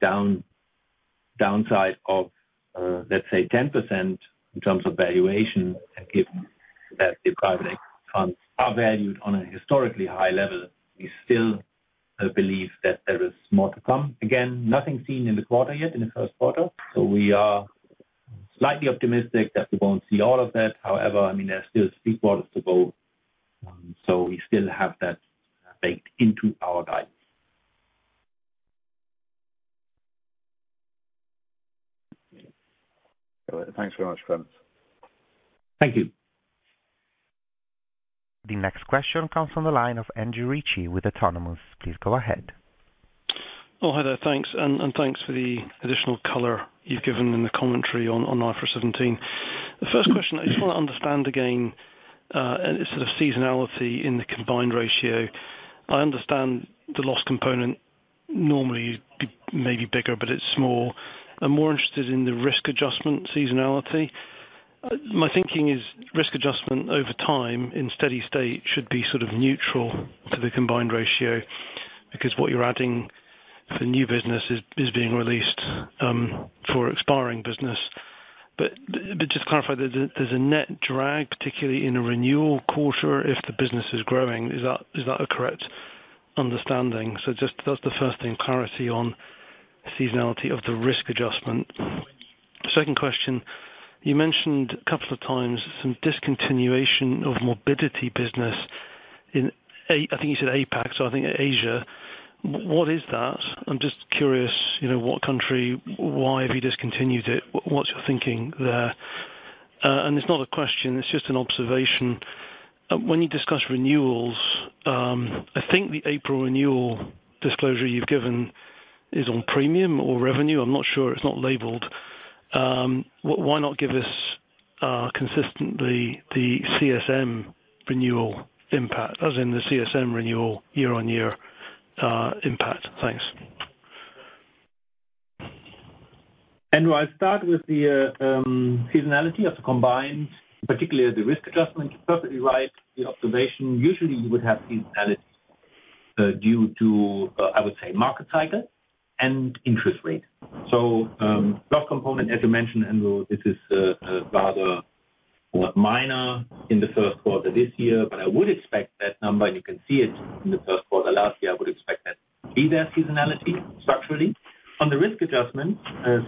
downside of, let's say 10% in terms of valuation, given that the private equity funds are valued on a historically high level, we still believe that there is more to come. Again, nothing seen in the quarter yet, in the first quarter. We are slightly optimistic that we won't see all of that. However, I mean, there are still 3 quarters to go, so we still have that baked into our guidance. Thanks very much, Clemens Thank you. The next question comes from the line of Andrew Ritchie with Autonomous. Please go ahead. Hi there. Thanks. Thanks for the additional color you've given in the commentary on IFRS 17. The first question, I just wanna understand again, sort of seasonality in the combined ratio. I understand the loss component normally may be bigger, but it's small. I'm more interested in the risk adjustment seasonality. My thinking is risk adjustment over time in steady state should be sort of neutral to the combined ratio because what you're adding for new business is being released for expiring business. Just to clarify, there's a net drag, particularly in a renewal quarter if the business is growing. Is that a correct understanding? Just that's the first thing, clarity on seasonality of the risk adjustment. Second question, you mentioned a couple of times some discontinuation of morbidity business in I think you said APAC, so I think Asia. What is that? I'm just curious, you know, what country, why have you discontinued it? What's your thinking there? It's not a question, it's just an observation. When you discuss renewals, I think the April renewal disclosure you've given is on premium or revenue. I'm not sure. It's not labeled. Why not give us consistently the CSM renewal impact, as in the CSM renewal year-on-year impact? Thanks. Andrew, I'll start with the seasonality of the combined, particularly the risk adjustment. You're perfectly right, the observation. Usually you would have seasonality due to I would say market cycle and interest rate. First component, as you mentioned, Andrew, this is rather more minor in the first quarter this year. I would expect that number, and you can see it in the first quarter last year, I would expect that be there seasonality structurally. On the risk adjustment,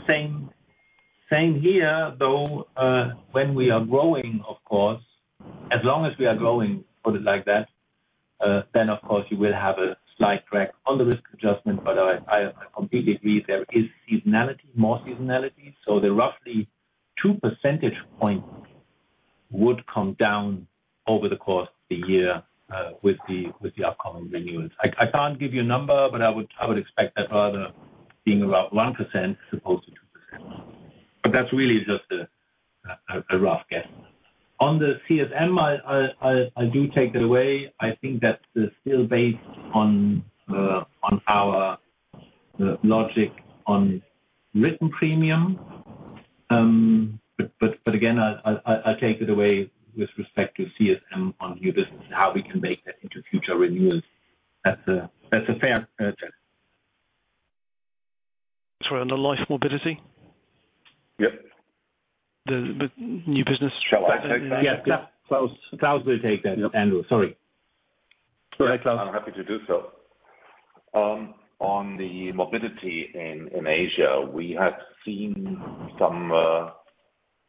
same here, though, when we are growing, of course, as long as we are growing, put it like that, then of course you will have a slight drag on the risk adjustment. I completely agree there is seasonality, more seasonality. The roughly 2 percentage points would come down over the course of the year with the upcoming renewals. I can't give you a number, but I would expect that rather being about 1% as opposed to 2%. That's really just a rough guess. On the CSM, I do take that away. I think that's still based on our logic on written premium. But again, I'll take it away with respect to CSM on new business and how we can make that into future renewals. That's a fair. Sorry, on the life morbidity? Yep. The new business. Shall I take that? Yeah. Klaus. Klaus will take that, Andrew. Sorry. Go ahead, Klaus. I'm happy to do so. On the morbidity in Asia, we have seen some,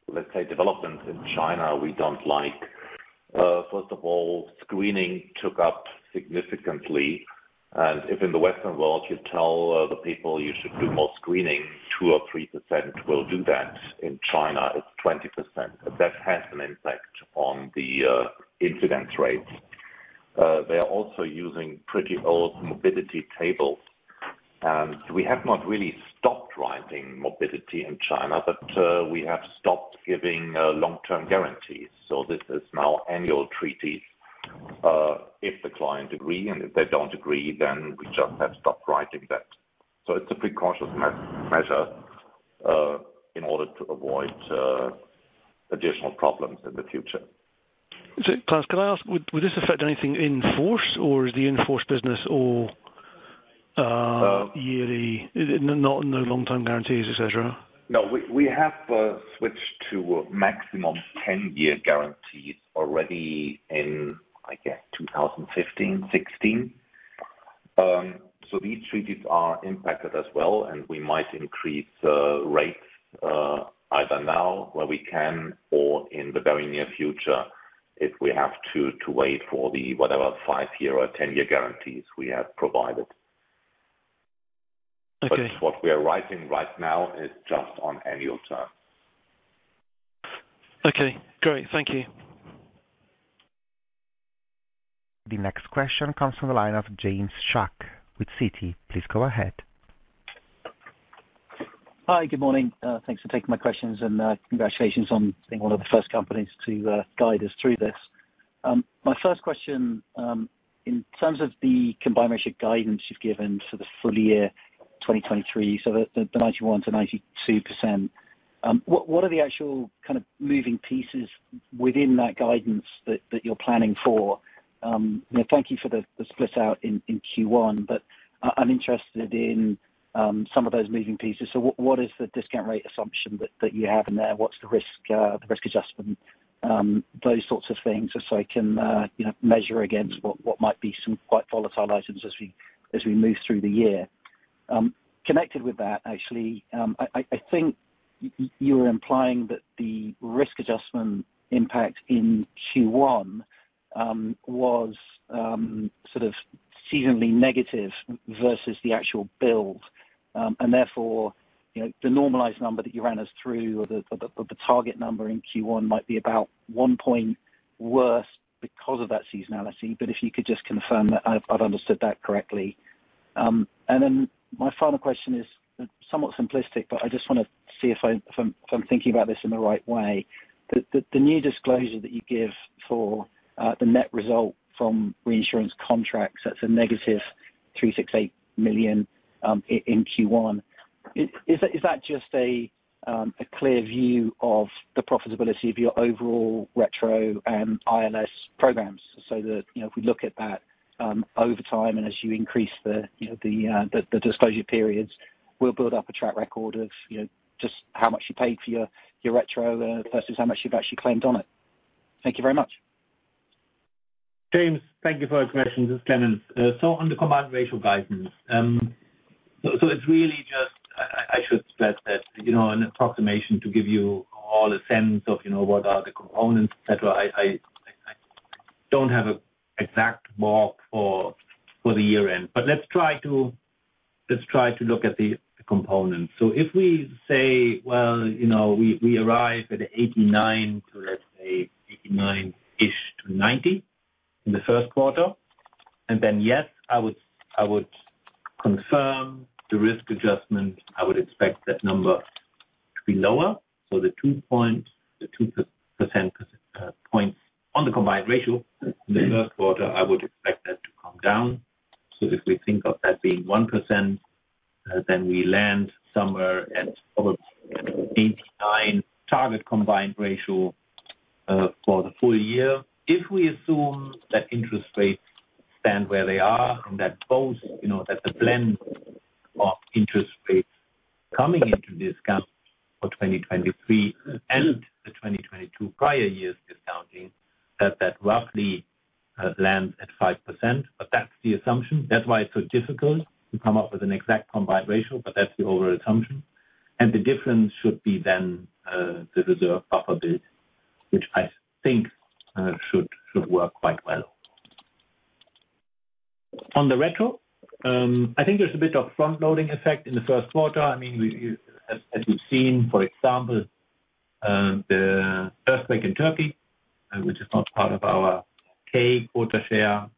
let's say developments in China we don't like. First of all, screening took up significantly. If in the Western world you tell the people you should do more screening, 2% or 3% will do that. In China, it's 20%. That has an impact on the incidence rates. They are also using pretty old morbidity tables. We have not really stopped writing morbidity in China, but we have stopped giving long-term guarantees. This is now annual treaties, if the client agree, and if they don't agree, then we just have stopped writing that. It's a precautious measure in order to avoid additional problems in the future. Klaus, can I ask, would this affect anything in force or is the in-force business or no long-term guarantees, et cetera? No, we have switched to maximum 10-year guarantees already in, I guess, 2015, 2016. These treaties are impacted as well, and we might increase rates either now, where we can, or in the very near future, if we have to wait for the, whatever, five-year or 10-year guarantees we have provided. Okay. What we are writing right now is just on annual terms. Okay, great. Thank you. The next question comes from the line of James Shuck with Citi. Please go ahead. Hi, good morning. Thanks for taking my questions. Congratulations on being one of the first companies to guide us through this. My first question, in terms of the combined ratio guidance you've given for the full year 2023, so the 91%-92%, what are the actual kind of moving pieces within that guidance that you're planning for? You know, thank you for the split out in Q1, but I'm interested in some of those moving pieces. What is the discount rate assumption that you have in there? What's the risk adjustment, those sorts of things. I can, you know, measure against what might be some quite volatile items as we move through the year. Connected with that, actually, I think you were implying that the risk adjustment impact in Q1 was sort of seasonally negative versus the actual build. Therefore, you know, the normalized number that you ran us through or the target number in Q1 might be about 1 point worse because of that seasonality. If you could just confirm that I've understood that correctly. Then my final question is somewhat simplistic, but I just wanna see if I'm thinking about this in the right way. The new disclosure that you give for the net result from reinsurance contracts, that's a negative 368 million in Q1. Is that just a clear view of the profitability of your overall retro, ILS programs? That, you know, if we look at that over time, and as you increase the, you know, the disclosure periods, we'll build up a track record of, you know, just how much you paid for your retro versus how much you've actually claimed on it. Thank you very much. James, thank you for your questions. This is Clemens. On the combined ratio guidance, it's really just I should stress that, you know, an approximation to give you all a sense of, you know, what are the components, et cetera. I don't have an exact mark for the year-end. Let's try to look at the components. If we say, well, you know, we arrive at 89% to, let's say 89-ish to 90% in the first quarter. Yes, I would confirm the risk adjustment. I would expect that number to be lower. The 2 percentage points on the combined ratio in the first quarter, I would expect that to come down. If we think of that being 1%, then we land somewhere at over 89% target combined ratio for the full year. If we assume that interest rates stand where they are from that post, you know that the blend of interest rates coming into this count for 2023 and the 2022 prior years discounting, that roughly lands at 5%. That's the assumption. That's why it's so difficult to come up with an exact combined ratio, but that's the overall assumption. The difference should be then the reserve buffer build, which I think should work quite well. On the retro, I think there's a bit of front-loading effect in the first quarter. I mean, we as we've seen, for example, the earthquake in Turkey, which is not part of our K-Cessions quota share,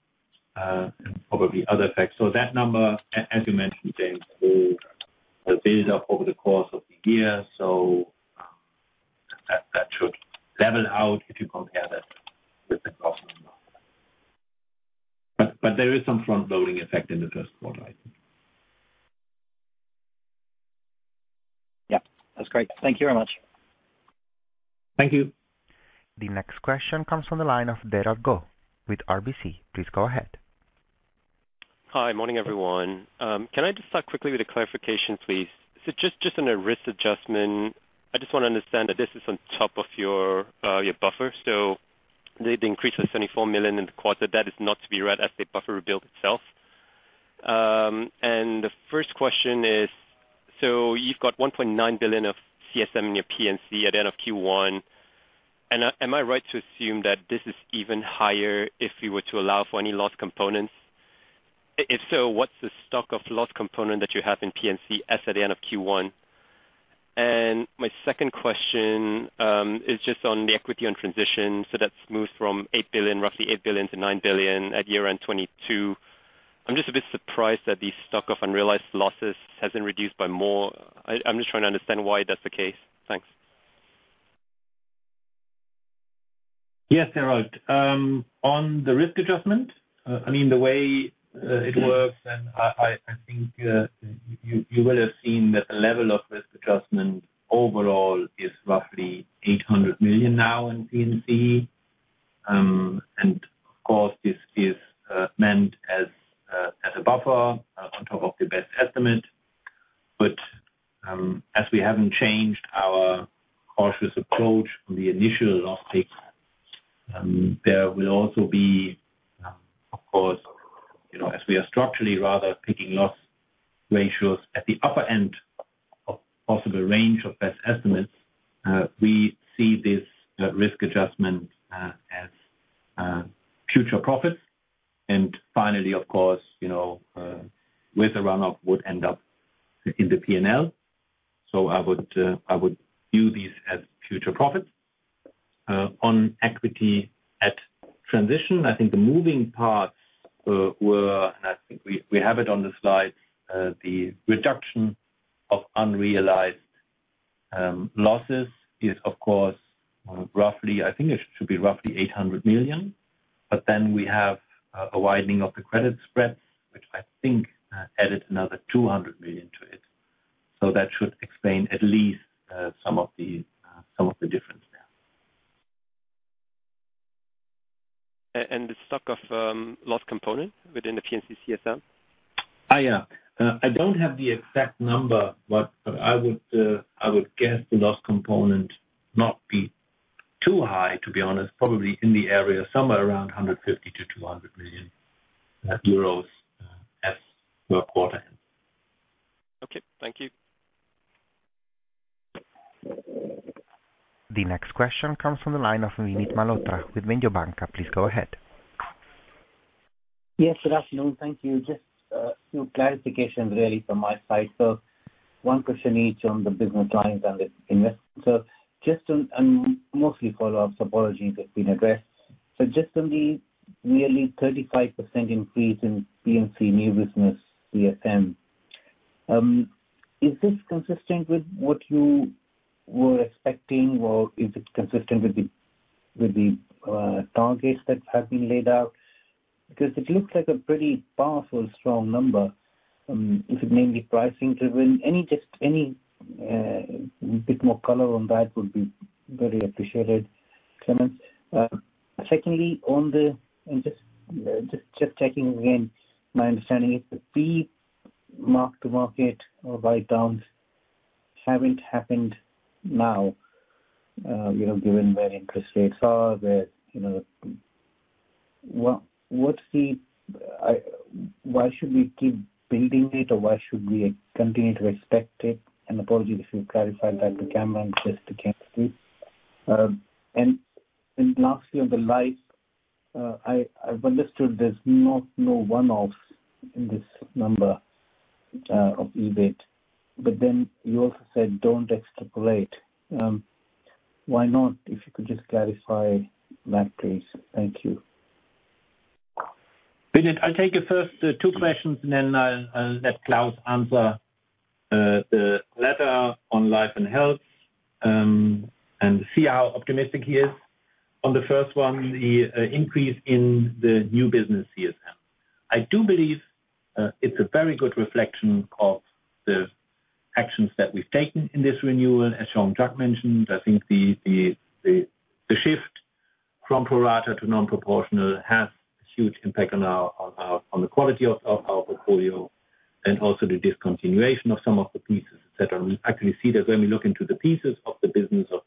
and probably other effects. That number, as you mentioned, James, will build up over the course of the year. That should level out if you compare that with the cost number. But there is some front-loading effect in the first quarter, I think. Yeah, that's great. Thank you very much. Thank you. The next question comes from the line of Derald Goh with RBC. Please go ahead. Hi. Morning, everyone. Can I just start quickly with a clarification, please? Just on a risk adjustment, I just wanna understand that this is on top of your buffer. The increase was 74 million in the quarter, that is not to be read as the buffer rebuild itself. The first question is: So you've got 1.9 billion of CSM in your P&C at end of Q1. Am I right to assume that this is even higher if we were to allow for any loss components? If so, what's the stock of loss component that you have in P&C as at the end of Q1? My second question is just on the equity on transition, so that's moved from 8 billion, roughly 8 billion to 9 billion at year-end 2022. I'm just a bit surprised that the stock of unrealized losses hasn't reduced by more. I'm just trying to understand why that's the case. Thanks. Yes, Derald. On the risk adjustment, the way it works, you will have seen that the level of risk adjustment overall is roughly 800 million now in P&C. Of course, this is meant as a buffer on top of the best estimate. As we haven't changed our cautious approach from the initial loss pick, there will also be, of course, you know, as we are structurally rather picking loss ratios at the upper end of possible range of best estimates, we see this risk adjustment as future profits. Finally, of course, you know, with the runoff would end up in the P&L. I would view these as future profits. On equity at transition, I think the moving parts were, and I think we have it on the slide. The reduction of unrealized losses is of course, roughly, I think it should be roughly 800 million. We have a widening of the credit spreads, which I think added another 200 million to it. That should explain at least some of the difference there. The stock of, loss component within the P&C CSM? Oh, yeah. I don't have the exact number, but I would, I would guess the loss component not be too high, to be honest. Probably in the area somewhere around 150 million-200 million euros as of quarter end. Okay. Thank you. The next question comes from the line of Vinit Malhotra with Mediobanca. Please go ahead. Yes, good afternoon. Thank you. Just two clarifications really from my side. One question each on the business lines and the investment. Just on mostly follow-up topologies that's been addressed. Just on the nearly 35% increase in P&C new business CSM. Is this consistent with what you were expecting, or is it consistent with the targets that have been laid out? It looks like a pretty powerful, strong number. Is it mainly pricing-driven? Any bit more color on that would be very appreciated, Clemens. Secondly, I'm just checking again my understanding. The pre-mark-to-market or write-downs haven't happened now, you know, given where interest rates are, where, you know. What's the, why should we keep building it, or why should we continue to expect it? Apologies if you clarified that. Again, I'm just checking, please. Lastly on the life, I've understood there's not no one-offs in this number of EBIT, but then you also said don't extrapolate. Why not? If you could just clarify that, please. Thank you. Vinit, I'll take your first, two questions, and then I'll let Klaus answer the latter on Life & Health and see how optimistic he is. On the first one, the increase in the new business CSM. I do believe it's a very good reflection of the actions that we've taken in this renewal. As Jean-Jacques mentioned, I think the shift from pro rata to non-proportional has huge impact on our, on the quality of our portfolio and also the discontinuation of some of the pieces, et cetera. We actually see that when we look into the pieces of the business of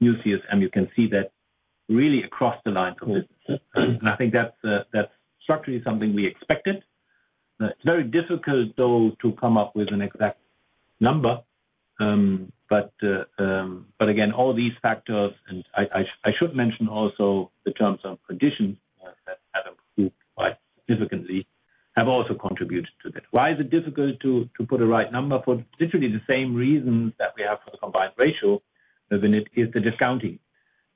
new CSM, you can see that really across the lines of businesses. I think that's structurally something we expected. It's very difficult though to come up with an exact number. Again, all these factors, and I should mention also the terms and conditions that have improved quite significantly, have also contributed to that. Why is it difficult to put a right number? For literally the same reasons that we have for the combined ratio, Vinit, is the discounting.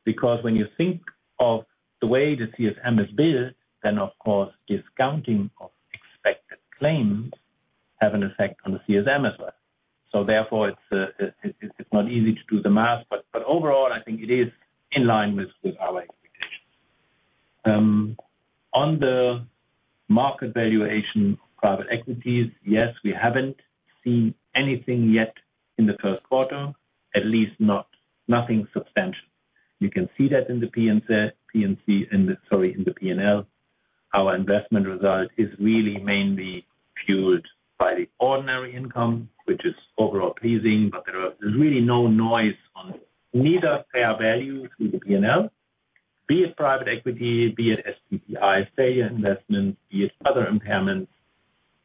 When you think of the way the CSM is billed, then of course, discounting of claims have an effect on the CSM as well. Therefore, it's not easy to do the math, but overall, I think it is in line with our expectations. On the market valuation private equities, yes, we haven't seen anything yet in the first quarter, at least not, nothing substantial. You can see that in the P&C, in the sorry, in the P&L. Our investment result is really mainly fueled by the ordinary income, which is overall pleasing, but there's really no noise on neither fair value through the P&L, be it private equity, be it STPI, SAIA Investments, be it other impairments.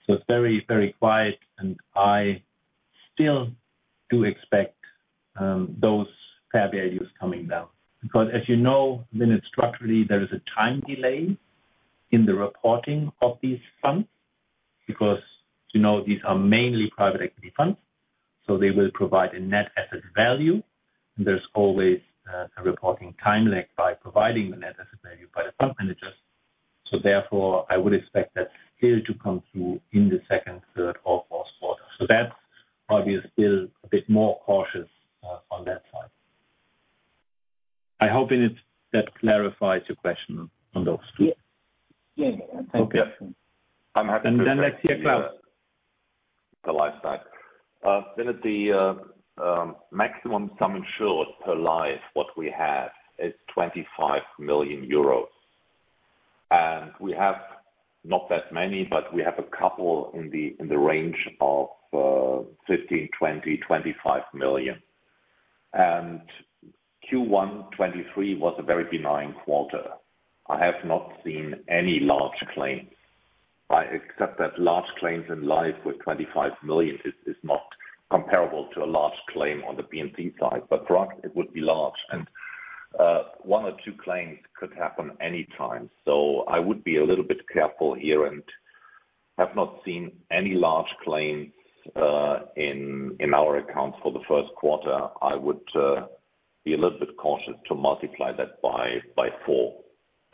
It's very, very quiet, and I still do expect those fair values coming down. As you know, then it's structurally there is a time delay in the reporting of these funds because, you know, these are mainly private equity funds, so they will provide a net asset value. There's always a reporting time lag by providing the net asset value by the fund managers. Therefore, I would expect that still to come through in the second third of last quarter. That's why we are still a bit more cautious on that side. I hope that clarifies your question on those two. Yeah. Yeah. Thank you. Okay. I'm happy to- Let's hear Klaus. The life side. Then at the maximum sum insured per life, what we have is 25 million euros. We have not that many, but we have a couple in the range of 15 million, 20 million, 25 million. Q1 2023 was a very benign quarter. I have not seen any large claims. I accept that large claims in life with 25 million is not comparable to a large claim on the P&C side, but for us, it would be large. One or two claims could happen any time. I would be a little bit careful here and have not seen any large claims in our accounts for the first quarter. I would be a little bit cautious to multiply that by four.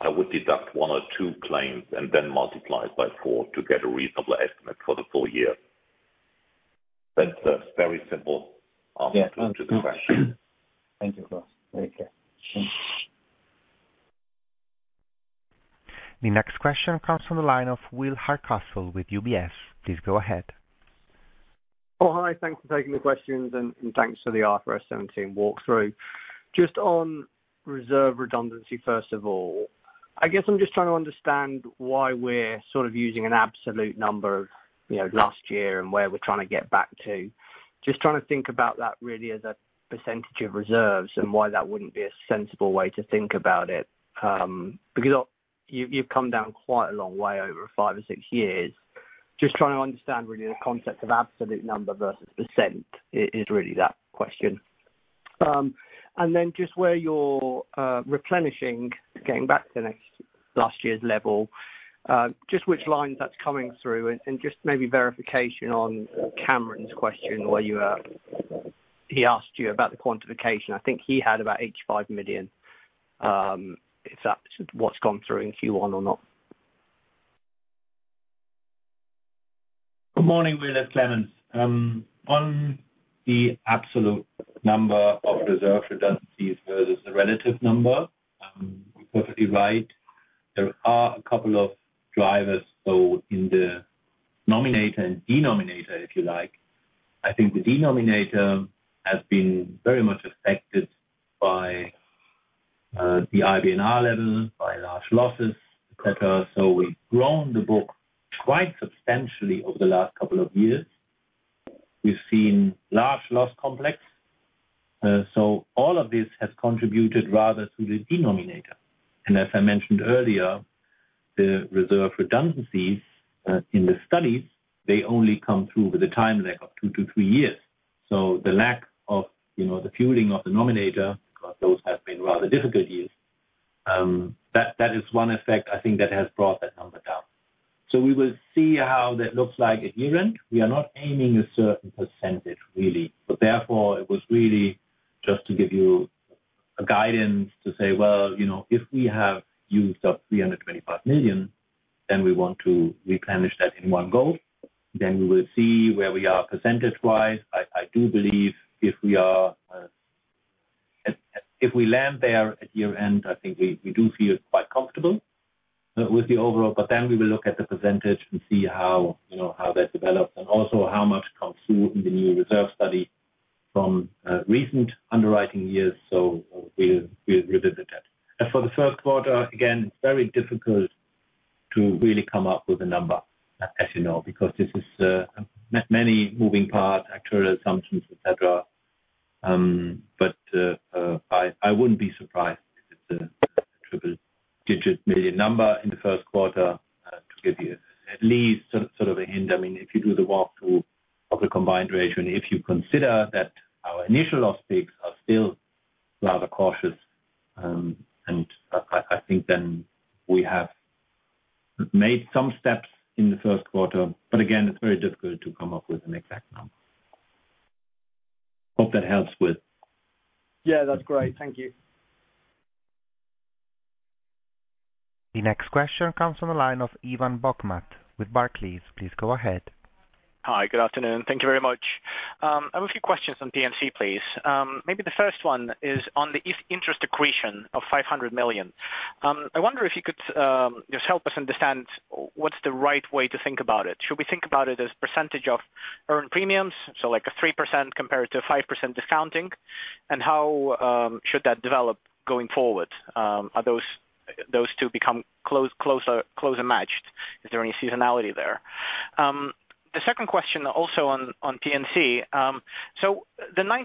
I would deduct one or two claims and then multiply it by four to get a reasonable estimate for the full year. That's a very simple answer to the question. Thank you, Klaus. Very clear. The next question comes from the line of Will Hardcastle with UBS. Please go ahead. Oh, hi. Thanks for taking the questions, and thanks for the IFRS 17 walkthrough. Just on reserve redundancy, first of all, I guess I'm just trying to understand why we're sort of using an absolute number of, you know, last year and where we're trying to get back to. Just trying to think about that really as a percentage of reserves and why that wouldn't be a sensible way to think about it, because you've come down quite a long way over five or six years. Just trying to understand really the concept of absolute number versus percent is really that question. Then just where you're replenishing, getting back to last year's level, just which lines that's coming through and just maybe verification on Kamran's question, where he asked you about the quantification. I think he had about 85 million, if that's what's gone through in Q1 or not. Good morning, Will. It's Clemens. On the absolute number of reserve redundancies versus the relative number, you're perfectly right. There are a couple of drivers, both in the nominator and denominator, if you like. I think the denominator has been very much affected by the IBNR level, by large losses, et cetera. We've grown the book quite substantially over the last couple of years. We've seen large loss complex. All of this has contributed rather to the denominator. As I mentioned earlier, the reserve redundancies in the studies, they only come through with a time lag of two to three years. The lack of, you know, the fueling of the nominator, because those have been rather difficult years, that is one effect I think that has brought that number down. We will see how that looks like at year-end. We are not aiming a certain percentage, really. Therefore, it was really just to give you a guidance to say, well, you know, if we have used up 325 million, then we want to replenish that in one go. We will see where we are percentage-wise. I do believe if we are, if we land there at year-end, I think we do feel quite comfortable with the overall. We will look at the percentage and see how, you know, how that develops and also how much comes through in the new reserve study from recent underwriting years. We'll revisit that. For the first quarter, again, it's very difficult to really come up with a number, as you know, because this is many moving parts, actuarial assumptions, et cetera. I wouldn't be surprised if it's a triple-digit million number in the first quarter, to give you at least sort of a hint. If you do the walkthrough of the combined ratio, and if you consider that our initial loss peaks are still rather cautious, and I think then we have made some steps in the first quarter. Again, it's very difficult to come up with an exact number. Hope that helps, Will. Yeah, that's great. Thank you. The next question comes from the line of Ivan Bokhmat with Barclays. Please go ahead. Hi. Good afternoon. Thank you very much. I have a few questions on P&C, please. Maybe the first one is on the interest accretion of 500 million. I wonder if you could just help us understand what's the right way to think about it. Should we think about it as % of earned premiums, so like a 3% compared to 5% discounting? How should that develop going forward? Are those two become closer matched? Is there any seasonality there? The second question also on P&C. The 94%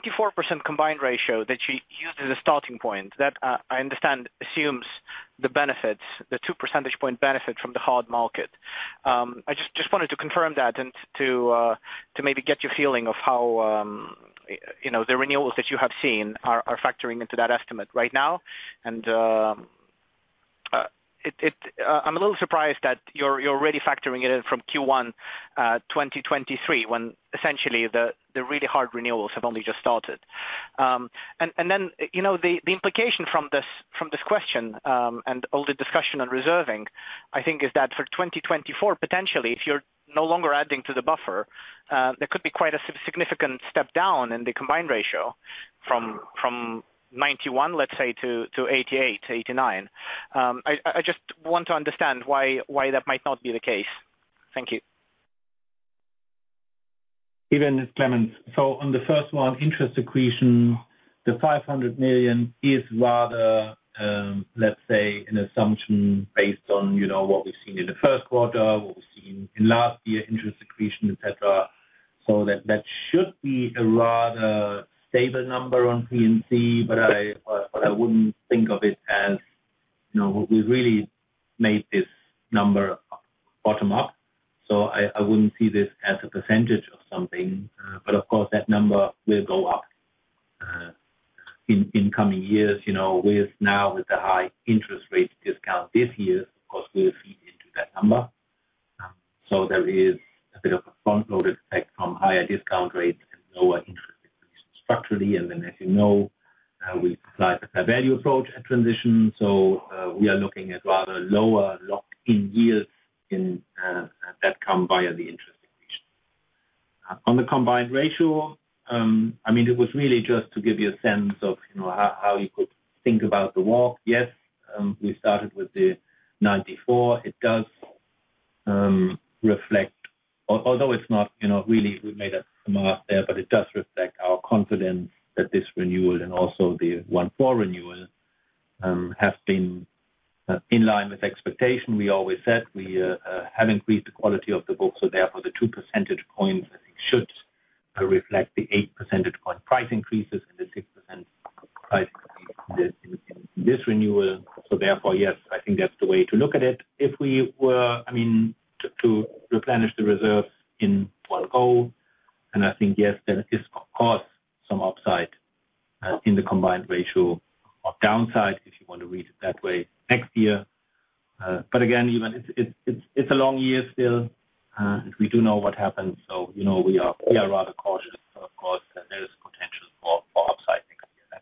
combined ratio that you used as a starting point, that, I understand, assumes the benefits, the 2 percentage point benefit from the hard market. I just wanted to confirm that and to maybe get your feeling of how, you know, the renewals that you have seen are factoring into that estimate right now. I'm a little surprised that you're already factoring it in from Q1 2023, when essentially the really hard renewals have only just started. You know, the implication from this question and all the discussion on reserving, I think, is that for 2024, potentially, if you're no longer adding to the buffer, there could be quite a significant step down in the combined ratio from 91%, let's say, to 88%-89%. I just want to understand why that might not be the case. Thank you. Even it's Clemens. On the first one, interest accretion, the 500 million is rather, let's say, an assumption based on, you know, what we've seen in the first quarter, what we've seen in last year, interest accretion, et cetera. That should be a rather stable number on P&C, but I wouldn't think of it as, you know, we really made this number bottom up, so I wouldn't see this as a percentage of something. Of course, that number will go up in coming years. You know, with now, with the high interest rates discount this year, of course, will feed into that number. There is a bit of a front-loaded effect from higher discount rates and lower interest rates structurally. As you know, we apply the fair value approach at transition. We are looking at rather lower locked-in yields in that come via the interest accretion. On the combined ratio, I mean, it was really just to give you a sense of, you know, how you could think about the walk. Yes, we started with the 94%. It does reflect. Although it's not, you know, really we made a mark there, but it does reflect our confidence that this renewal and also the one for renewal has been in line with expectation. We always said we have increased the quality of the book, therefore the 2 percentage points, I think, should reflect the 8 percentage point price increases and the 6% price increase in this renewal. Therefore, yes, I think that's the way to look at it. I mean, to replenish the reserves in one go, and I think, yes, there is of course some upside in the combined ratio or downside, if you want to read it that way next year. Again, even it's a long year still, and we do know what happened. You know, we are rather cautious. Of course there is potential for upsiding coming out.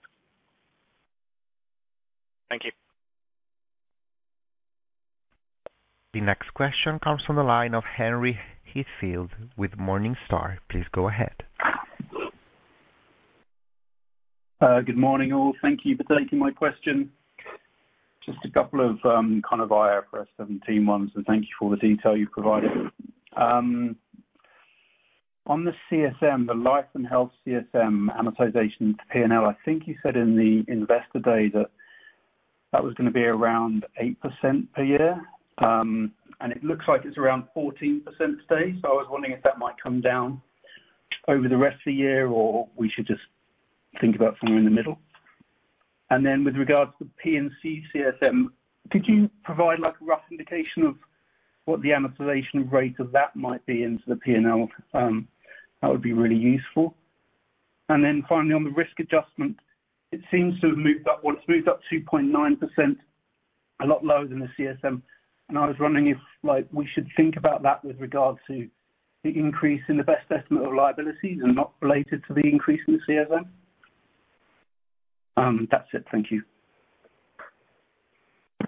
Thank you. The next question comes from the line of Henry Heathfield with Morningstar. Please go ahead. Good morning, all. Thank you for taking my question. Just a couple of, kind of IFRS 17 ones. Thank you for all the detail you've provided. On the CSM, the Life & Health CSM amortization P&L, I think you said in the investor day that that was gonna be around 8% per year. It looks like it's around 14% today. I was wondering if that might come down over the rest of the year or we should just think about somewhere in the middle. With regards to P&C CSM, could you provide, like, a rough indication of what the amortization rate of that might be into the P&L? That would be really useful. Finally, on the risk adjustment, it seems to have moved up. Well, it's moved up 2.9%, a lot lower than the CSM. I was wondering if, like, we should think about that with regards to the increase in the best estimate of liabilities and not related to the increase in the CSM. That's it. Thank you.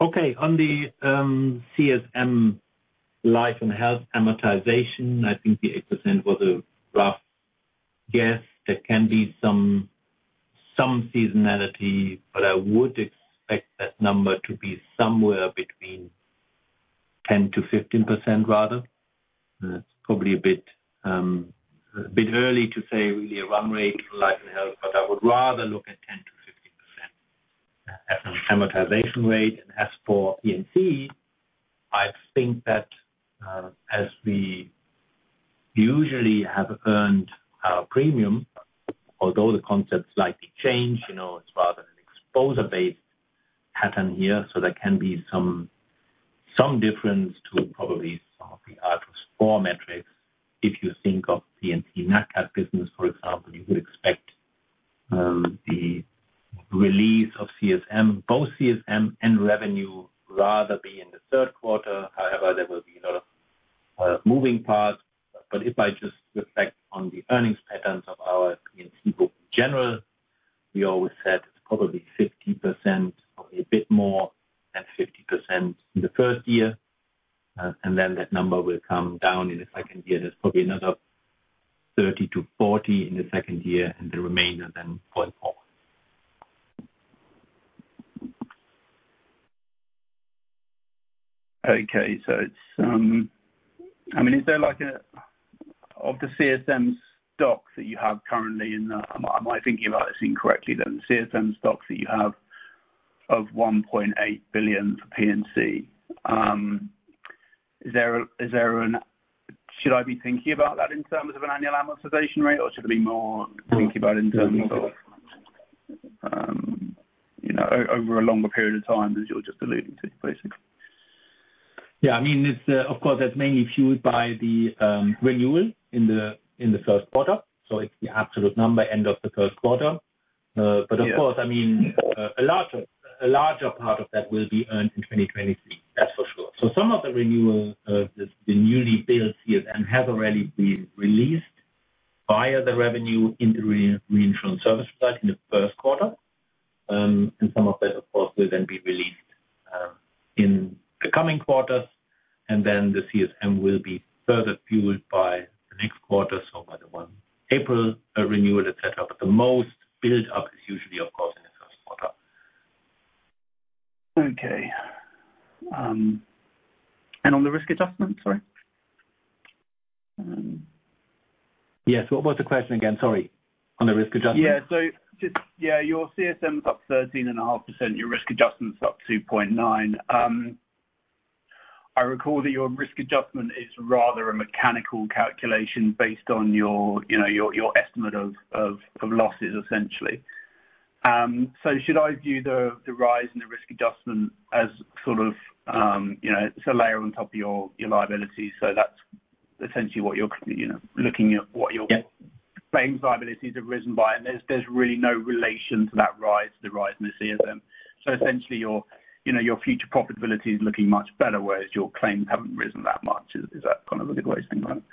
Okay. On the CSM Life & Health amortization, I think the 8% was a rough guess. There can be some seasonality, but I would expect that number to be somewhere between 10%-15%, rather. That's probably a bit a bit early to say really a run rate for Life & Health, but I would rather look at 10%-15% as an amortization rate. As for PNC, I think that as we usually have earned our premium, although the concept's slightly changed, you know, it's rather an exposure-based pattern here. There can be some difference to probably some of the other score metrics. If you think of PNC NatCat business, for example, you would expect the release of CSM, both CSM and revenue rather be in the third quarter. However, there will be a lot of moving parts. If I just reflect on the earnings patterns of our P&C book in general, we always said it's probably 50%, probably a bit more than 50% in the first year. And then that number will come down in the second year. There's probably another 30%-40% in the second year, and the remainder then going forward. Okay. It's. I mean, of the CSM stock that you have currently, and I might be thinking about this incorrectly, then. CSM stocks that you have of 1.8 billion for P&C. Should I be thinking about that in terms of an annual amortization rate, or should I be more thinking about in terms of, you know, over a longer period of time, as you're just alluding to, basically? Yeah, I mean, it's, of course, that's mainly fueled by the renewal in the first quarter. It's the absolute number end of the first quarter. Yeah. Of course, I mean, a larger part of that will be earned in 2023. That's for sure. Some of the renewal, the newly built CSM has already been released via the revenue in the reinsurance service result in the first quarter. Some of that, of course, will then be released in the coming quarters, and then the CSM will be further fueled by the next quarter. By the 1 April, a renewal is set up. The most build-up is usually, of course, in the first quarter. Okay. On the risk adjustment, sorry. Yes. What was the question again? Sorry. On the risk adjustment? Yeah. Just... Yeah, your CSM's up 13.5%. Your risk adjustment's up 2.9. I recall that your risk adjustment is rather a mechanical calculation based on your, you know, your estimate of losses, essentially. Should I view the rise in the risk adjustment as sort of, you know, it's a layer on top of your liability, so that's essentially what you're, you know, looking at what your...? Yeah. Claims liabilities have risen by. There's really no relation to that rise, the rise in the CSM. Essentially, you know, your future profitability is looking much better, whereas your claims haven't risen that much. Is that kind of a good way of thinking about it?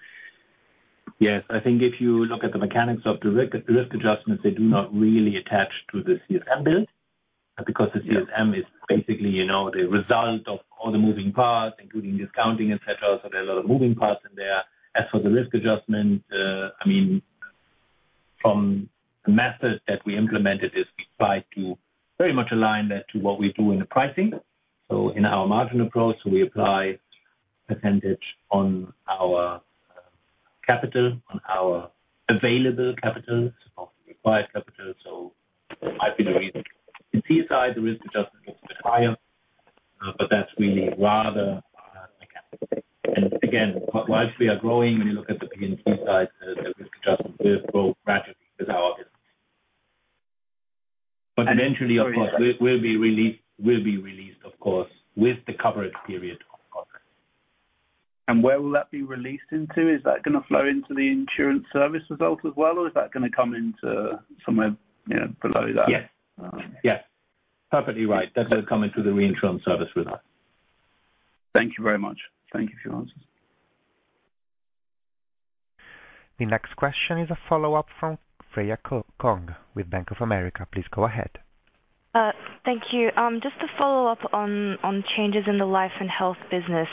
Yes. I think if you look at the mechanics of the risk adjustments, they do not really attach to the CSM build. Yeah. The CSM is basically, you know, the result of all the moving parts, including discounting, et cetera. There are a lot of moving parts in there. As for the risk adjustment, I mean, from the methods that we implemented is we try to very much align that to what we do in the pricing. In our margin approach, we apply percentage on our capital, on our available capital, it's often required capital, so it might be the reason. In CSI, the risk adjustment is a bit higher, but that's really rather mechanical. Again, whilst we are growing, when you look at the P&C side, the risk adjustment will grow gradually with our business. Eventually, of course, will be released, of course, with the coverage period of course. Where will that be released into? Is that gonna flow into the insurance service result as well, or is that gonna come into somewhere, you know, below that? Yes. Um. Yes. Perfectly right. Okay. That will come into the reinsurance service result. Thank you very much. Thank you for your answers. The next question is a follow-up from Freya Kong with Bank of America. Please go ahead. Thank you. Just to follow up on changes in the Life & Health business.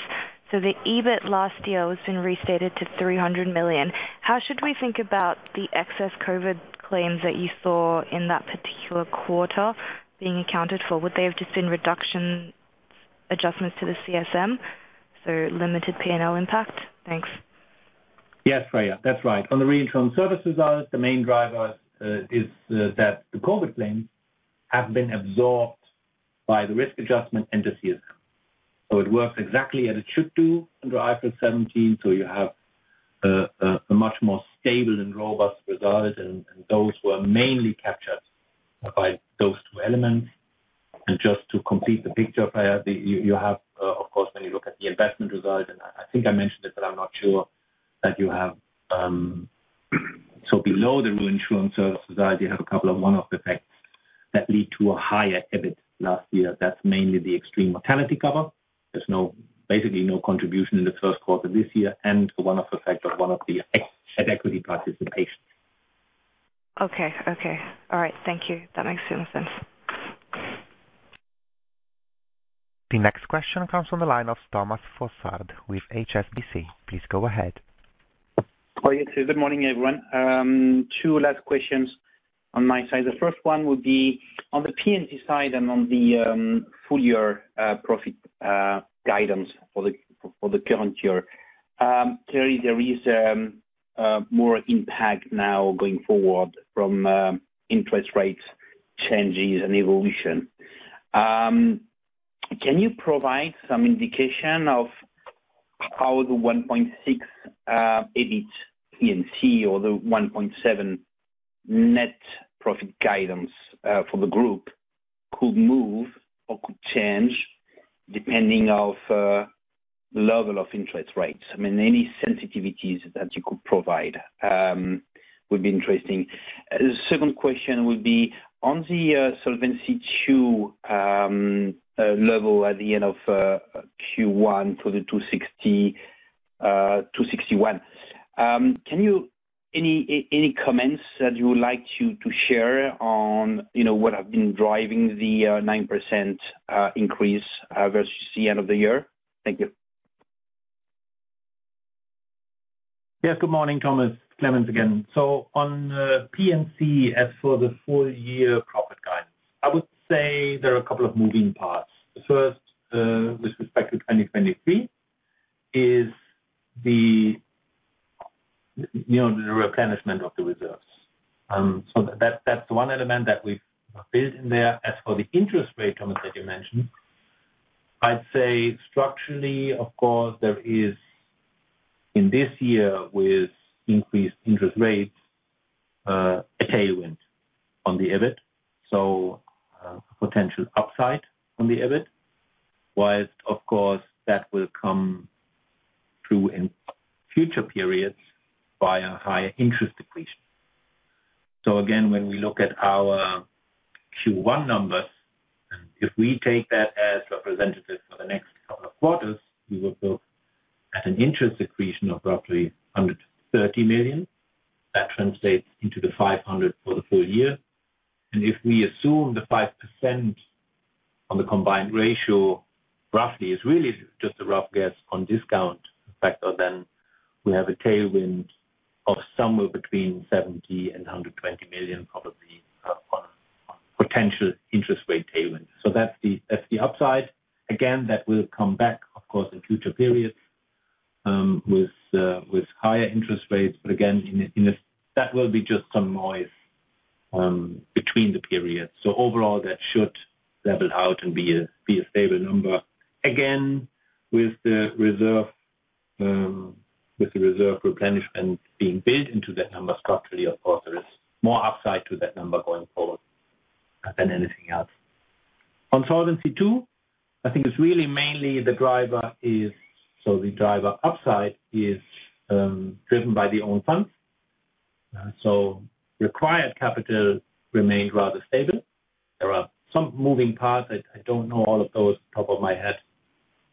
The EBIT last year was been restated to 300 million. How should we think about the excess COVID claims that you saw in that particular quarter being accounted for? Would they have just been reduction adjustments to the CSM, so limited P&L impact? Thanks. Yes, Freya. That's right. On the reinsurance services side, the main driver is that the COVID claims have been absorbed by the risk adjustment and the CSM. It works exactly as it should do under IFRS 17. You have a much more stable and robust result. Those were mainly captured by those two elements. Just to complete the picture, Freya, you have of course, when you look at the investment result, and I think I mentioned it, but I'm not sure that you have so below the reinsurance services side, you have a couple of one-off effects that lead to a higher EBIT last year. That's mainly the extreme mortality cover. Basically no contribution in the first quarter this year and a one-off effect of one of the e-equity participations. Okay. Okay. All right. Thank you. That makes total sense. The next question comes from the line of Thomas Fossard with HSBC. Please go ahead. Yes. Good morning, everyone. Two last questions on my side. The first one would be on the P&C side on the full year profit guidance for the current year. Clearly there is more impact now going forward from interest rates changes and evolution. Can you provide some indication of how the 1.6 billion EBIT P&C or the 1.7 billion net profit guidance for the group could move or could change depending of level of interest rates? I mean, any sensitivities that you could provide would be interesting. The second question would be on the Solvency II level at the end of Q1 for the 260%-261%. Any comments that you would like to share on, you know, what have been driving the 9% increase versus the end of the year? Thank you. Yes, good morning, Thomas. Clemens again. On P&C, as for the full year profit guidance, I would say there are a couple of moving parts. First, with respect to 2023 is the, you know, the replenishment of the reserves. That's one element that we've built in there. As for the interest rate, Thomas, that you mentioned, I'd say structurally, of course, there is in this year with increased interest rates, a tailwind on the EBIT. Potential upside on the EBIT, whilst of course that will come through in future periods via higher interest accretion. Again, when we look at our Q1 numbers, and if we take that as representative for the next couple of quarters, we will look at an interest accretion of roughly 130 million. That translates into the 500 million for the full year. If we assume the 5% on the combined ratio, roughly, it's really just a rough guess on discount factor, then we have a tailwind of somewhere between 70 million-120 million, probably, on potential interest rate tailwind. That's the upside. Again, that will come back, of course, in future periods, with higher interest rates. Again, that will be just some noise between the periods. Overall, that should level out and be a stable number. Again, with the reserve, with the reserve replenishment being built into that number structurally, of course, there is more upside to that number going forward than anything else. On Solvency II, I think it's really mainly the driver upside is driven by the own funds. Required capital remained rather stable. There are some moving parts. I don't know all of those off the top of my head.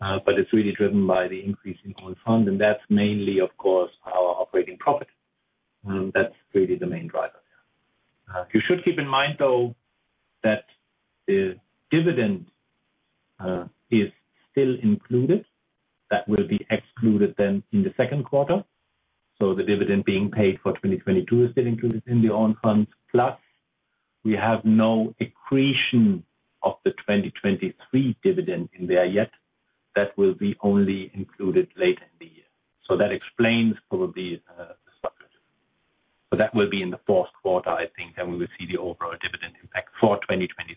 It's really driven by the increase in own funds, and that's mainly, of course, our operating profit. That's really the main driver there. You should keep in mind though, that the dividend is still included. That will be excluded then in the second quarter. The dividend being paid for 2022 is still included in the own funds. Plus we have no accretion of the 2023 dividend in there yet. That will be only included later in the year. That explains probably the subtlety. That will be in the fourth quarter, I think, and we will see the overall dividend impact for 2023.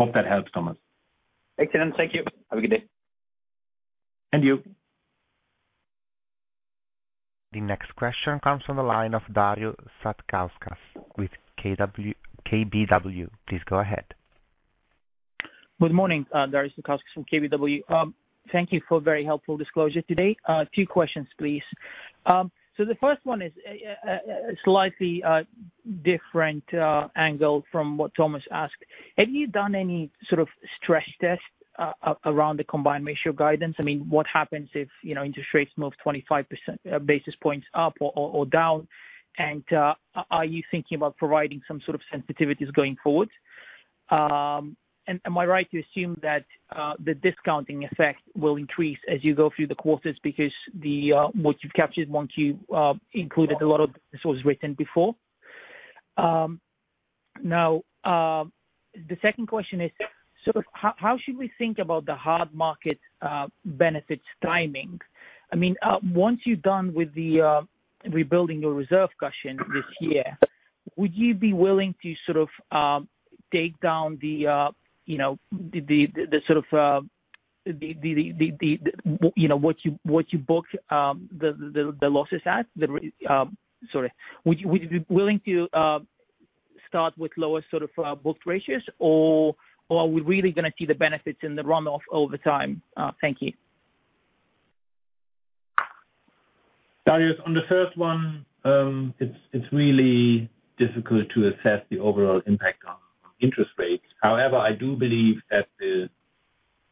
Hope that helps, Thomas. Excellent. Thank you. Have a good day. You. The next question comes from the line of Darius Satkauskas with KBW. Please go ahead. Good morning. Darius Satkauskas from KBW. Thank you for a very helpful disclosure today. Two questions, please. The first one is slightly different angle from what Thomas asked. Have you done any sort of stress test around the combined ratio guidance? I mean, what happens if, you know, interest rates move 25% basis points up or down? Are you thinking about providing some sort of sensitivities going forward? Am I right to assume that the discounting effect will increase as you go through the quarters because the what you've captured once you included a lot of this was written before? Now, the second question is, sort of how should we think about the hard market benefits timing? I mean, once you're done with the rebuilding your reserve cushion this year, would you be willing to sort of take down the, you know, the sort of the, you know, what you book, the losses at? Sorry. Would you be willing to start with lower sort of book ratios? Or are we really gonna see the benefits in the run-off over time? Thank you. Darius, on the first one, it's really difficult to assess the overall impact on interest rates. I do believe that the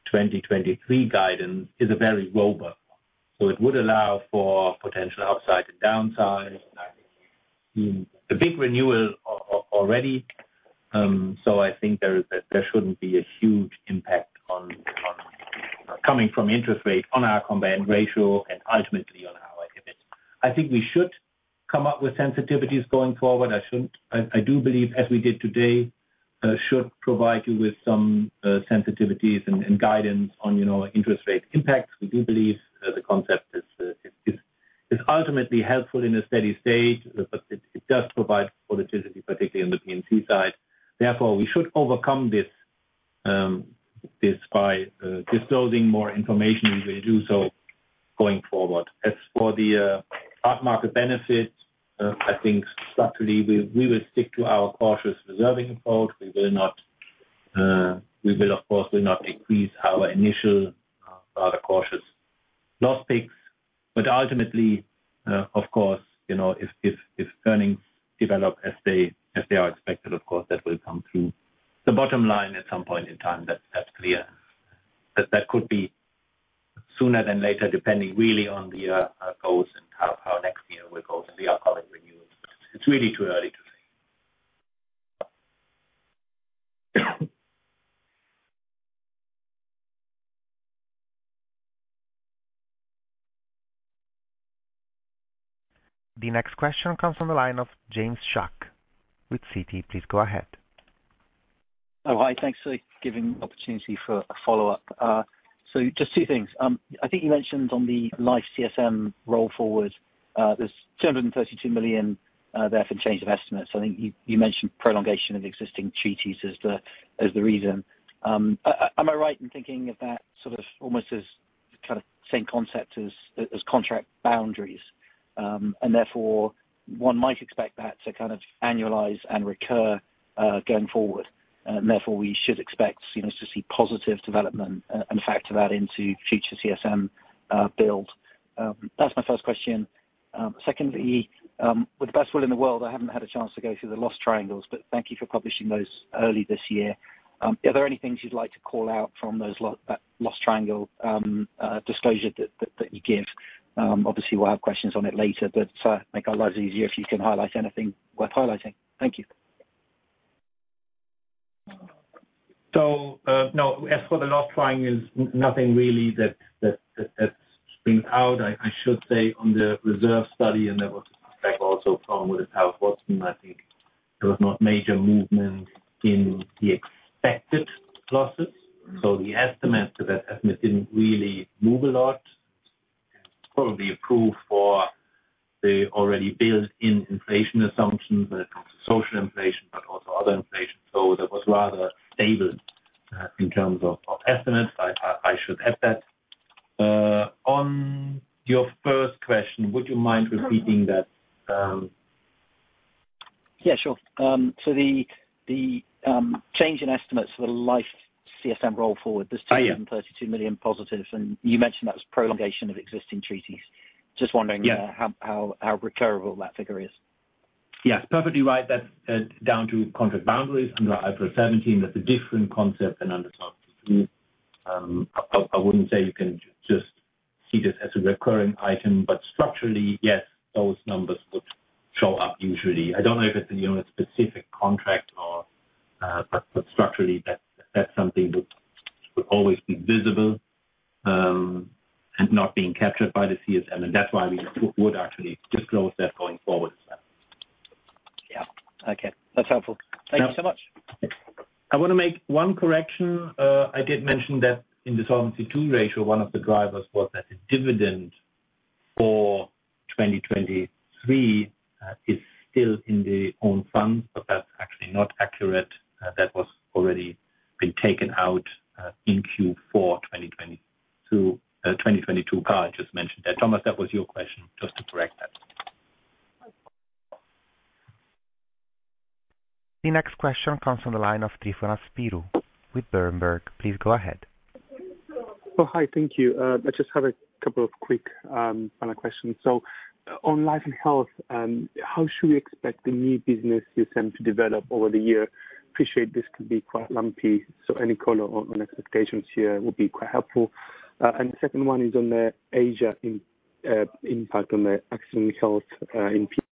2023 guidance is a very robust one. It would allow for potential upside and downside. The big renewal already, I think there shouldn't be a huge impact on coming from interest rate on our combined ratio and ultimately on our EBIT. I think we should come up with sensitivities going forward. I do believe, as we did today, should provide you with some sensitivities and guidance on, you know, interest rate impacts. We do believe the concept is ultimately helpful in a steady state, but it does provide volatility, particularly on the P&C side. We should overcome this by disclosing more information. We will do so going forward. As for the hard market benefits, I think structurally we will stick to our cautious reserving approach. We will of course will not increase our initial rather cautious loss picks. Ultimately, of course, you know, if earnings develop as they are expected, of course, that will come through the bottom line at some point in time, that's clear. That could be sooner than later, depending really on the our goals and how next year will go. We are calling renewals, but it's really too early to say. The next question comes from the line of James Shuck with Citi. Please go ahead. Hi. Thanks for giving the opportunity for a follow-up. Just two things. I think you mentioned on the life CSM roll forward, there's 232 million there for change of estimates. I think you mentioned prolongation of existing treaties as the reason. Am I right in thinking of that sort of almost as the kind of same concept as contract boundaries, and therefore one might expect that to kind of annualize and recur going forward, and therefore we should expect, you know, to see positive development and factor that into future CSM build? That's my first question. Secondly, with the best will in the world, I haven't had a chance to go through the loss triangles, thank you for publishing those early this year. Are there any things you'd like to call out from those loss triangle, disclosure that you give? Obviously we'll have questions on it later. Make our lives easier if you can highlight anything worth highlighting. Thank you. No, as for the loss triangle, nothing really that springs out. I should say on the reserve study, and that was also done with Towers Watson, I think there was not major movement in the expected losses. The estimate to that estimate didn't really move a lot. Probably approved for the already built-in inflation assumptions when it comes to social inflation, but also other inflation. That was rather stable in terms of estimates. I should add that. On your first question, would you mind repeating that? Sure. The change in estimates for the life CSM roll forward. Yeah. There's 232 million positive, and you mentioned that was prolongation of existing treaties. Yeah. Just wondering, how recurable that figure is? Yes, perfectly right. That's down to contract boundaries. Under IFRS 17, that's a different concept than under Solvency II. I wouldn't say you can just see this as a recurring item, but structurally, yes, those numbers would show up usually. I don't know if it's, you know, a specific contract or, but structurally, that's something that would always be visible, and not being captured by the CSM, and that's why we would actually disclose that going forward as well. Yeah. Okay. That's helpful. Yeah. Thank you so much. I wanna make one correction. I did mention that in the Solvency II ratio, one of the drivers was that the dividend for 2023 is still in the own funds, but that's actually not accurate. That was already been taken out in Q4 2022. I just mentioned that. Thomas, that was your question, just to correct that. The next question comes from the line of Tryfonas Spyrou with Berenberg. Please go ahead. Hi. Thank you. I just have a couple of quick final questions. On Life & Health, how should we expect the new business CSM to develop over the year? Appreciate this could be quite lumpy. Any color on expectations here would be quite helpful. The second one is on the Asia impact on the accident health. In Health?